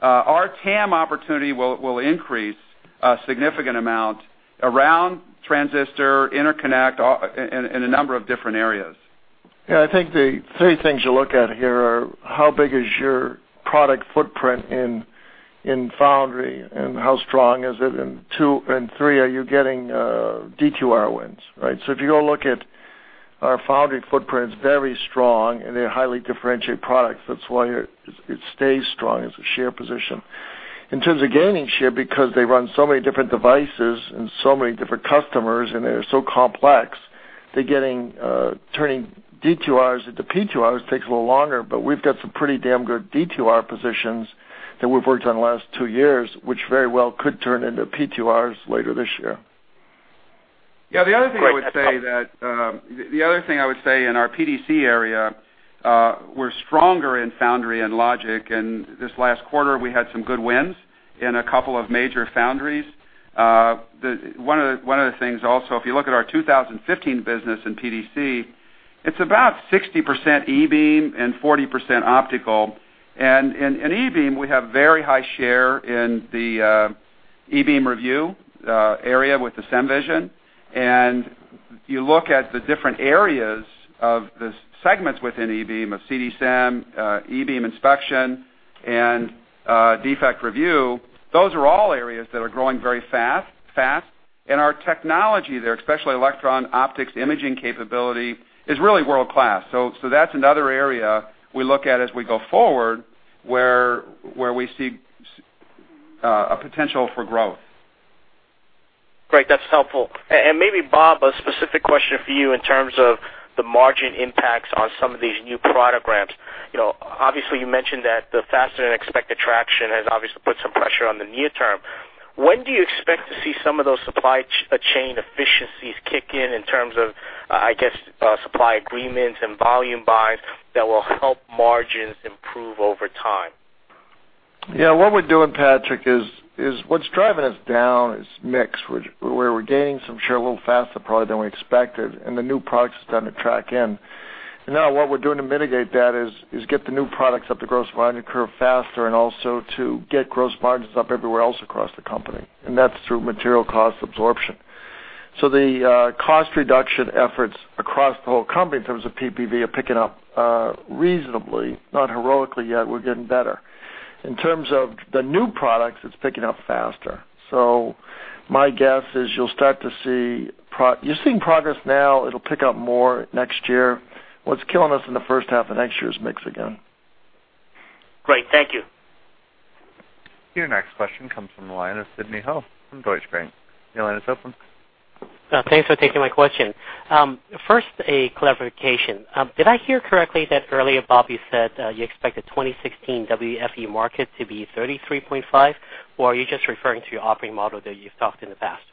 our TAM opportunity will increase a significant amount around transistor interconnect in a number of different areas. Yeah, I think the three things you look at here are how big is your product footprint in foundry and how strong is it, and two and three, are you getting DQR wins, right? If you go look at our foundry footprint, it's very strong, and they're highly differentiated products. That's why it stays strong as a share position. In terms of gaining share, because they run so many different devices and so many different customers, and they're so complex, turning DQRs into PQRs takes a little longer, but we've got some pretty damn good DQR positions that we've worked on the last two years, which very well could turn into PQRs later this year. Yeah. The other thing I would say in our PDC area, we're stronger in foundry and logic, and this last quarter, we had some good wins in a couple of major foundries. One of the things also, if you look at our 2015 business in PDC, it's about 60% E-beam and 40% optical. In E-beam, we have very high share in the E-beam review area with the SEMVision. You look at the different areas of the segments within E-beam, of CD-SEM, E-beam inspection, and defect review, those are all areas that are growing very fast, and our technology there, especially electron optics imaging capability, is really world-class. That's another area we look at as we go forward, where we see a potential for growth. Great. That's helpful. Maybe, Bob, a specific question for you in terms of the margin impacts on some of these new product ramps. Obviously, you mentioned that the faster-than-expected traction has obviously put some pressure on the near term. When do you expect to see some of those supply chain efficiencies kick in in terms of, I guess, supply agreements and volume buys that will help margins improve over time? Yeah. What we're doing, Patrick, is what's driving us down is mix, where we're gaining some share a little faster probably than we expected, and the new products are starting to track in. Now what we're doing to mitigate that is get the new products up the gross margin curve faster and also to get gross margins up everywhere else across the company, and that's through material cost absorption. The cost reduction efforts across the whole company in terms of PPV are picking up reasonably, not heroically yet. We're getting better. In terms of the new products, it's picking up faster. My guess is you're seeing progress now. It'll pick up more next year. What's killing us in the first half of next year is mix again. Great. Thank you. Your next question comes from the line of Sidney Ho from Deutsche Bank. Your line is open. Thanks for taking my question. First, a clarification. Did I hear correctly that earlier, Bob, you said, you expect the 2016 WFE market to be 33.5? Are you just referring to your operating model that you've talked in the past?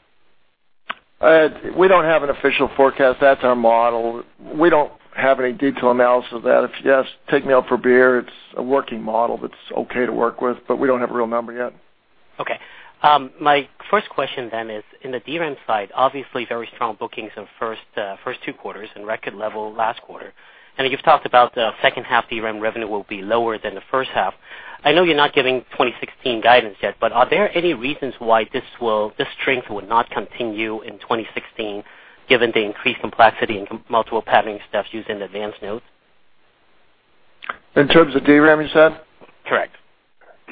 We don't have an official forecast. That's our model. We don't have any detailed analysis of that. If you ask, take me out for a beer, it's a working model that's okay to work with, but we don't have a real number yet. Okay. My first question then is, in the DRAM side, obviously very strong bookings in first two quarters and record level last quarter. I know you've talked about the second half DRAM revenue will be lower than the first half. I know you're not giving 2016 guidance yet, but are there any reasons why this strength would not continue in 2016 given the increased complexity and multiple patterning steps used in advanced nodes? In terms of DRAM, you said? Correct.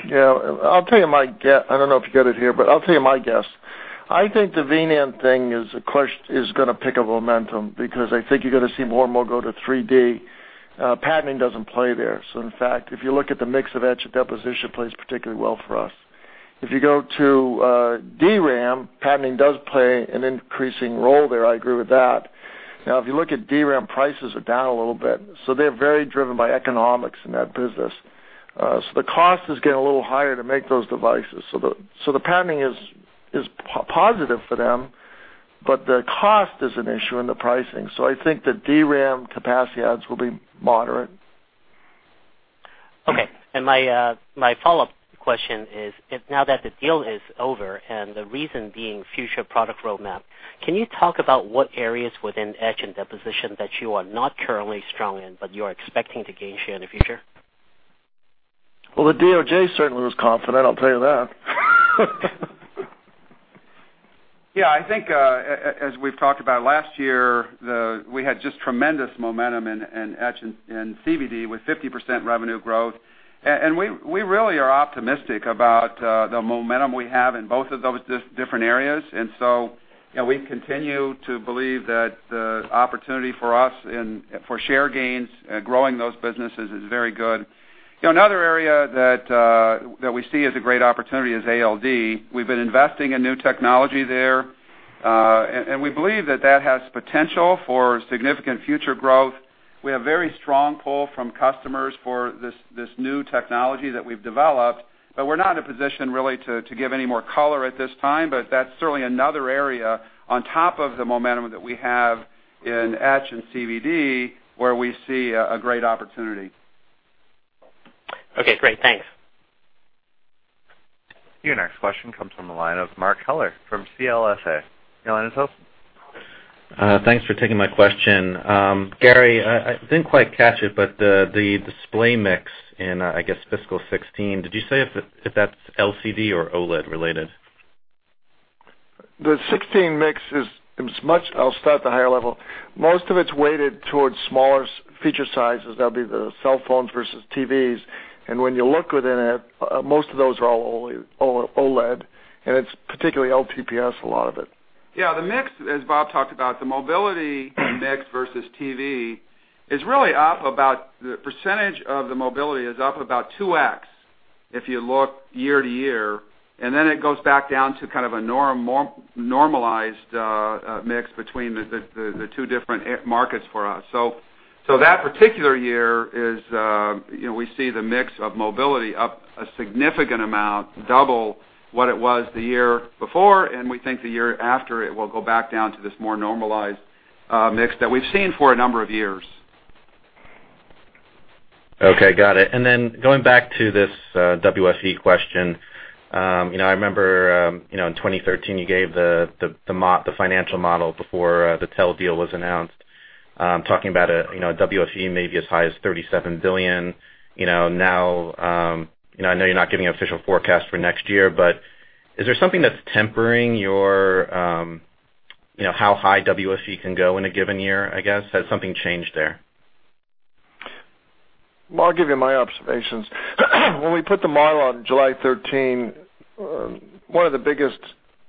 Yeah. I'll tell you my guess. I don't know if you get it here, but I'll tell you my guess. I think the V-NAND thing is going to pick up momentum because I think you're going to see more and more go to 3D. Patterning doesn't play there. In fact, if you look at the mix of etch and deposition plays particularly well for us. If you go to DRAM, patterning does play an increasing role there. I agree with that. If you look at DRAM, prices are down a little bit, so they're very driven by economics in that business. The cost is getting a little higher to make those devices. The patterning is positive for them, but the cost is an issue in the pricing. I think the DRAM capacity adds will be moderate. Okay. My follow-up question is, now that the deal is over and the reason being future product roadmap, can you talk about what areas within etch and deposition that you are not currently strong in, but you're expecting to gain share in the future? Well, the DOJ certainly was confident, I'll tell you that. Yeah, I think, as we've talked about last year, we had just tremendous momentum in etch and CVD with 50% revenue growth. We really are optimistic about the momentum we have in both of those different areas. We continue to believe that the opportunity for us for share gains, growing those businesses is very good. Another area that we see as a great opportunity is ALD. We've been investing in new technology there, and we believe that has potential for significant future growth. We have very strong pull from customers for this new technology that we've developed, but we're not in a position really to give any more color at this time. That's certainly another area on top of the momentum that we have in etch and CVD, where we see a great opportunity. Okay, great. Thanks. Your next question comes from the line of Mark Heller from CLSA. Your line is open. Thanks for taking my question. Gary, I didn't quite catch it, but the display mix in, I guess, fiscal 2016, did you say if that's LCD or OLED related? I'll start at the higher level. Most of it's weighted towards smaller feature sizes. That'll be the cell phones versus TVs. When you look within it, most of those are all OLED, and it's particularly LTPS, a lot of it. Yeah, the mix, as Bob talked about, the mobility mix versus TV, the percentage of the mobility is up about 2x if you look year-over-year, and then it goes back down to kind of a normalized mix between the two different markets for us. That particular year, we see the mix of mobility up a significant amount, double what it was the year before, and we think the year after, it will go back down to this more normalized mix that we've seen for a number of years. Okay, got it. Going back to this WFE question, I remember, in 2013, you gave the financial model before the TEL deal was announced, talking about WFE maybe as high as $37 billion. I know you're not giving an official forecast for next year, but is there something that's tempering how high WFE can go in a given year, I guess? Has something changed there? Well, I'll give you my observations. When we put the model on July 13, one of the biggest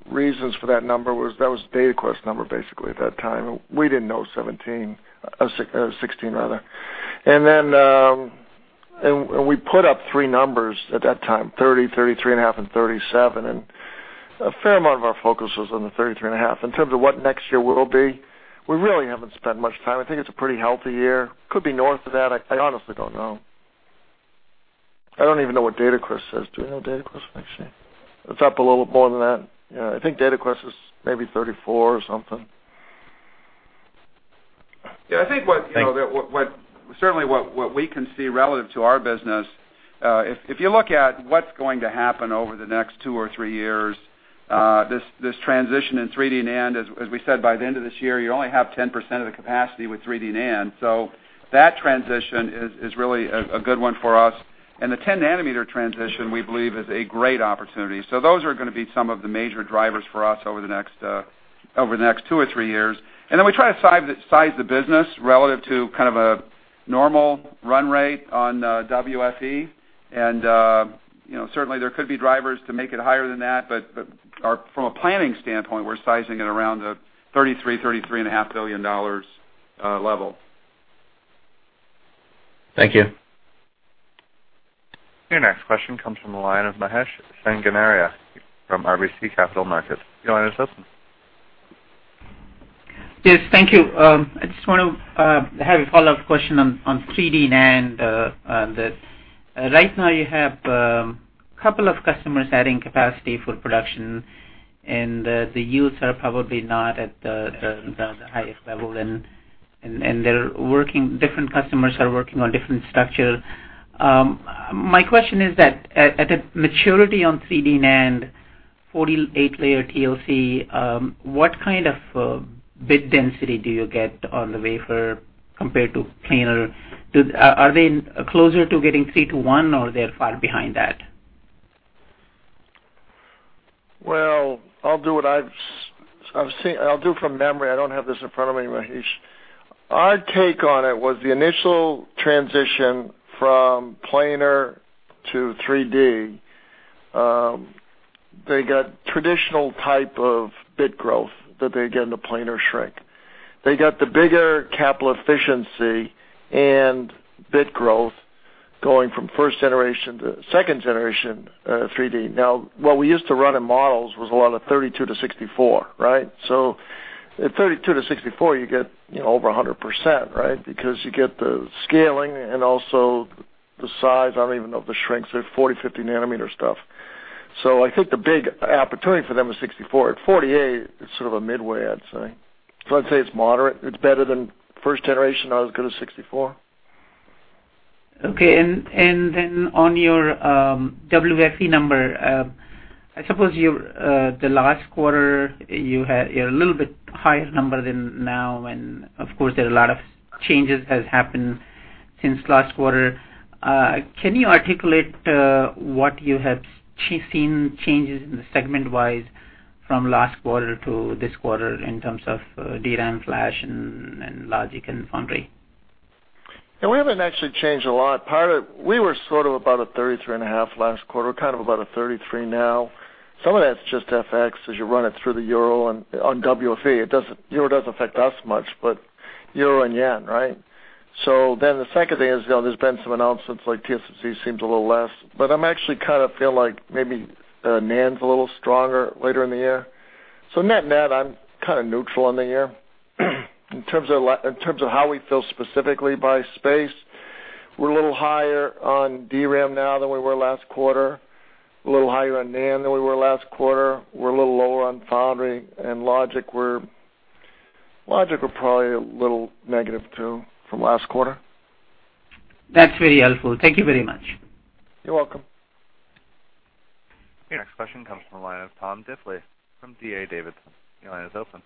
reasons for that number was that was Dataquest number, basically, at that time. We didn't know 2017, or 2016 rather. We put up three numbers at that time, 30, 33 and a half, and 37. A fair amount of our focus was on the 33 and a half. In terms of what next year will be, we really haven't spent much time. I think it's a pretty healthy year. Could be north of that. I honestly don't know. I don't even know what Dataquest says. Do we know Dataquest next year? It's up a little more than that. Yeah, I think Dataquest is maybe 34 or something. Yeah, I think certainly what we can see relative to our business, if you look at what's going to happen over the next two or three years, this transition in 3D NAND, as we said, by the end of this year, you only have 10% of the capacity with 3D NAND. That transition is really a good one for us. The 10-nanometer transition, we believe, is a great opportunity. Those are going to be some of the major drivers for us over the next two or three years. We try to size the business relative to kind of a normal run rate on WFE, and certainly, there could be drivers to make it higher than that, but from a planning standpoint, we're sizing it around the $33 billion, $33.5 billion level. Thank you. Your next question comes from the line of Mahesh Sanganeria from RBC Capital Markets. Your line is open. Yes, thank you. I just want to have a follow-up question on 3D NAND. Right now, you have a couple of customers adding capacity for production, and the yields are probably not at the highest level, and different customers are working on different structures. My question is that at a maturity on 3D NAND, 48 layer TLC, what kind of bit density do you get on the wafer compared to planar? Are they closer to getting 3 to 1 or they're far behind that? I'll do from memory. I don't have this in front of me, Mahesh. Our take on it was the initial transition from planar to 3D, they got traditional type of bit growth that they get in the planar shrink. They got the bigger capital efficiency and bit growth going from first generation to second generation 3D. What we used to run in models was a lot of 32 to 64. At 32 to 64, you get over 100%, because you get the scaling and also the size, I don't even know if the shrinks, they're 40, 50 nanometer stuff. I think the big opportunity for them is 64. At 48, it's sort of a midway, I'd say. I'd say it's moderate. It's better than first generation, not as good as 64. On your WFE number, I suppose the last quarter, you had a little bit higher number than now, and of course, there are a lot of changes has happened since last quarter. Can you articulate what you have seen changes in the segment-wise from last quarter to this quarter in terms of DRAM, flash, and logic and foundry? We haven't actually changed a lot. We were sort of about a 33.5 last quarter, kind of about a 33 now. Some of that's just FX as you run it through the euro on WFE. Euro doesn't affect us much, but euro and yen. The second thing is, there's been some announcements like TSMC seems a little less, but I'm actually kind of feeling like maybe NAND's a little stronger later in the year. Net-net, I'm kind of neutral on the year. In terms of how we feel specifically by space, we're a little higher on DRAM now than we were last quarter, a little higher on NAND than we were last quarter. We're a little lower on foundry, and logic, we're probably a little negative too from last quarter. That's very helpful. Thank you very much. You're welcome. Your next question comes from the line of Tom Diffley from D.A. Davidson. Your line is open.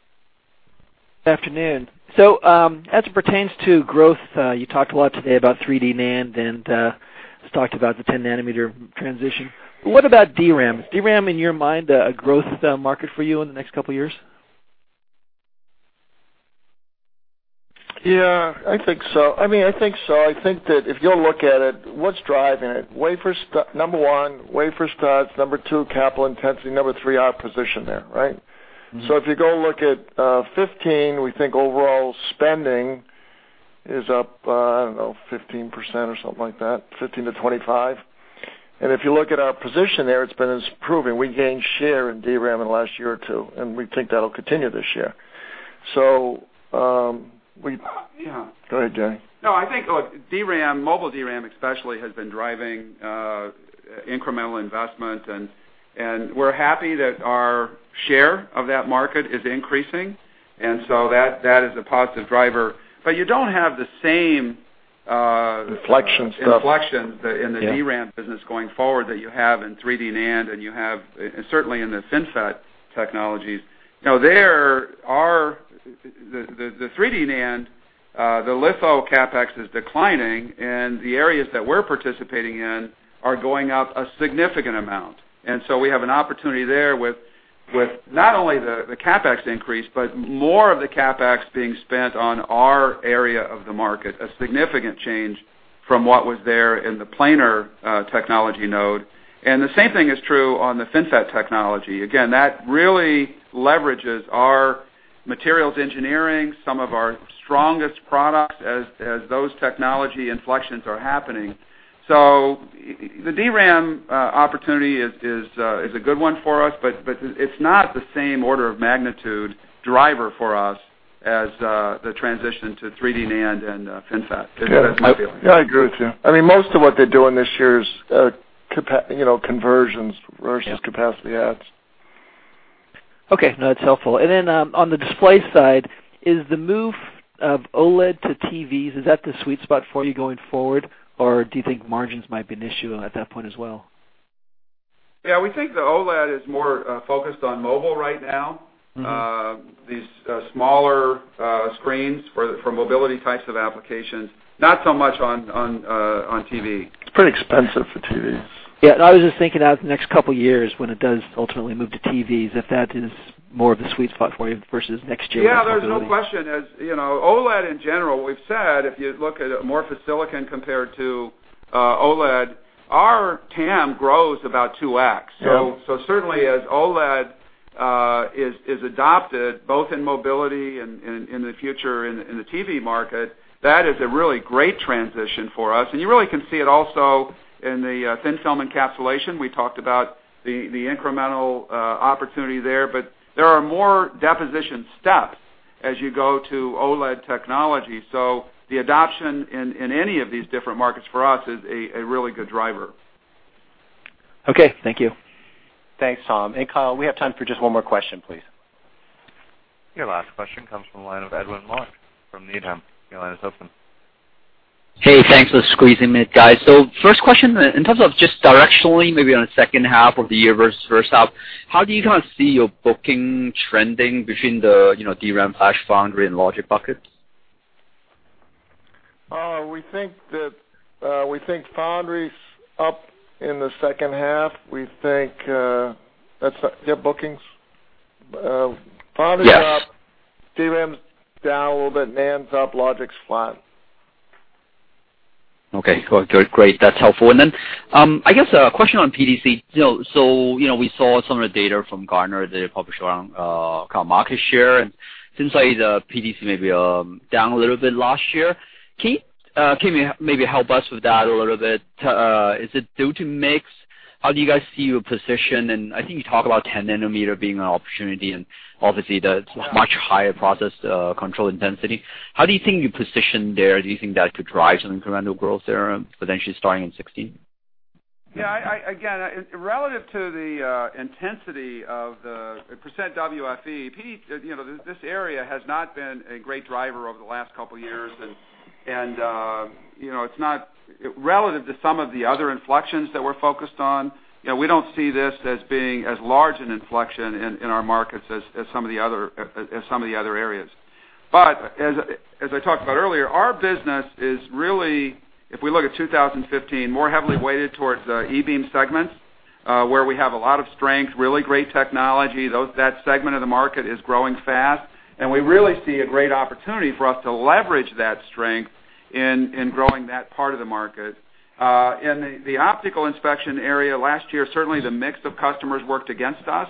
Good afternoon. As it pertains to growth, you talked a lot today about 3D NAND and talked about the 10-nanometer transition. What about DRAM? Is DRAM, in your mind, a growth market for you in the next couple of years? Yeah, I think so. I think that if you'll look at it, what's driving it? Number 1, wafer starts. Number 2, capital intensity. Number 3, our position there. If you go look at 2015, we think overall spending is up, I don't know, 15% or something like that, 15%-25%. If you look at our position there, it's been improving. We gained share in DRAM in the last year or two, and we think that'll continue this year. Yeah. Go ahead, Gary. No, I think, look, DRAM, mobile DRAM especially, has been driving incremental investment, and we're happy that our share of that market is increasing, that is a positive driver. You don't have the same- Inflection stuff inflection in the DRAM business going forward that you have in 3D NAND and you have certainly in the FinFET technologies. The 3D NAND, the litho CapEx is declining, the areas that we're participating in are going up a significant amount. We have an opportunity there with not only the CapEx increase, but more of the CapEx being spent on our area of the market, a significant change from what was there in the planar technology node. The same thing is true on the FinFET technology. Again, that really leverages our materials engineering, some of our strongest products, as those technology inflections are happening. The DRAM opportunity is a good one for us, but it's not the same order of magnitude driver for us as the transition to 3D NAND and FinFET. That's my feeling. Yeah, I agree with you. Most of what they're doing this year is conversions versus capacity adds. Okay. No, that's helpful. On the display side, is the move of OLED to TVs, is that the sweet spot for you going forward, or do you think margins might be an issue at that point as well? Yeah, we think the OLED is more focused on mobile right now. These smaller screens for mobility types of applications, not so much on TV. It's pretty expensive for TVs. Yeah, I was just thinking out the next couple years when it does ultimately move to TVs, if that is more of a sweet spot for you versus next year's mobility. Yeah, there's no question. As you know, OLED in general, we've said, if you look at amorphous silicon compared to OLED, our TAM grows about 2x. Yeah. Certainly, as OLED is adopted, both in mobility and in the future in the TV market, that is a really great transition for us. You really can see it also in the thin-film encapsulation. We talked about the incremental opportunity there are more deposition steps as you go to OLED technology. The adoption in any of these different markets for us is a really good driver. Okay, thank you. Thanks, Tom. Kyle, we have time for just one more question, please. Your last question comes from the line of Edwin Mok from Needham. Your line is open. Hey, thanks for squeezing me in, guys. First question, in terms of just directionally, maybe on the second half of the year versus first half, how do you kind of see your bookings trending between the DRAM, flash, foundry and logic buckets? We think foundry's up in the second half. Yeah, bookings? Yes. Foundry's up, DRAM's down a little bit, NAND's up, logic's flat. Okay. Great. That's helpful. Then, I guess a question on PDC. We saw some of the data from Gartner that they published around kind of market share, and it seems like the PDC may be down a little bit last year. Can you maybe help us with that a little bit? Is it due to mix? How do you guys see your position? I think you talk about 10-nanometer being an opportunity, and obviously, the much higher process control intensity. How do you think you position there? Do you think that could drive some incremental growth there, potentially starting in 2016? Again, relative to the intensity of the % WFE, this area has not been a great driver over the last couple of years, and it's not Relative to some of the other inflections that we're focused on, we don't see this as being as large an inflection in our markets as some of the other areas. As I talked about earlier, our business is really, if we look at 2015, more heavily weighted towards e-beam segments, where we have a lot of strength, really great technology. That segment of the market is growing fast, and we really see a great opportunity for us to leverage that strength in growing that part of the market. In the optical inspection area, last year, certainly, the mix of customers worked against us.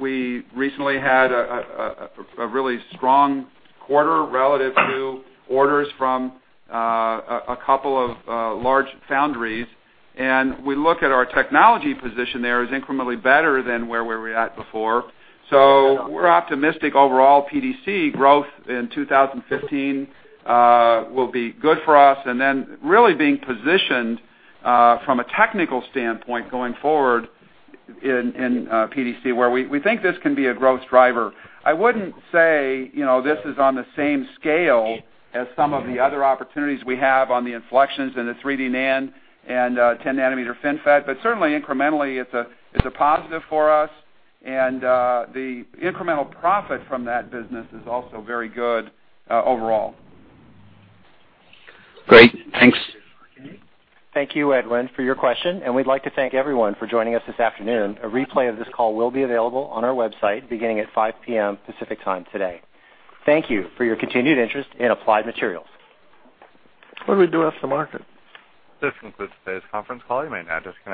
We recently had a really strong quarter relative to orders from a couple of large foundries. We look at our technology position there as incrementally better than where we were at before. We're optimistic overall PDC growth in 2015 will be good for us. Then really being positioned, from a technical standpoint going forward in PDC, where we think this can be a growth driver. I wouldn't say this is on the same scale as some of the other opportunities we have on the inflections in the 3D NAND and 10-nanometer FinFET. Certainly, incrementally, it's a positive for us. The incremental profit from that business is also very good overall. Great. Thanks. Thank you, Edwin, for your question, and we'd like to thank everyone for joining us this afternoon. A replay of this call will be available on our website beginning at 5:00 P.M. Pacific Time today. Thank you for your continued interest in Applied Materials. What do we do with the market? This concludes today's conference call. You may now disconnect.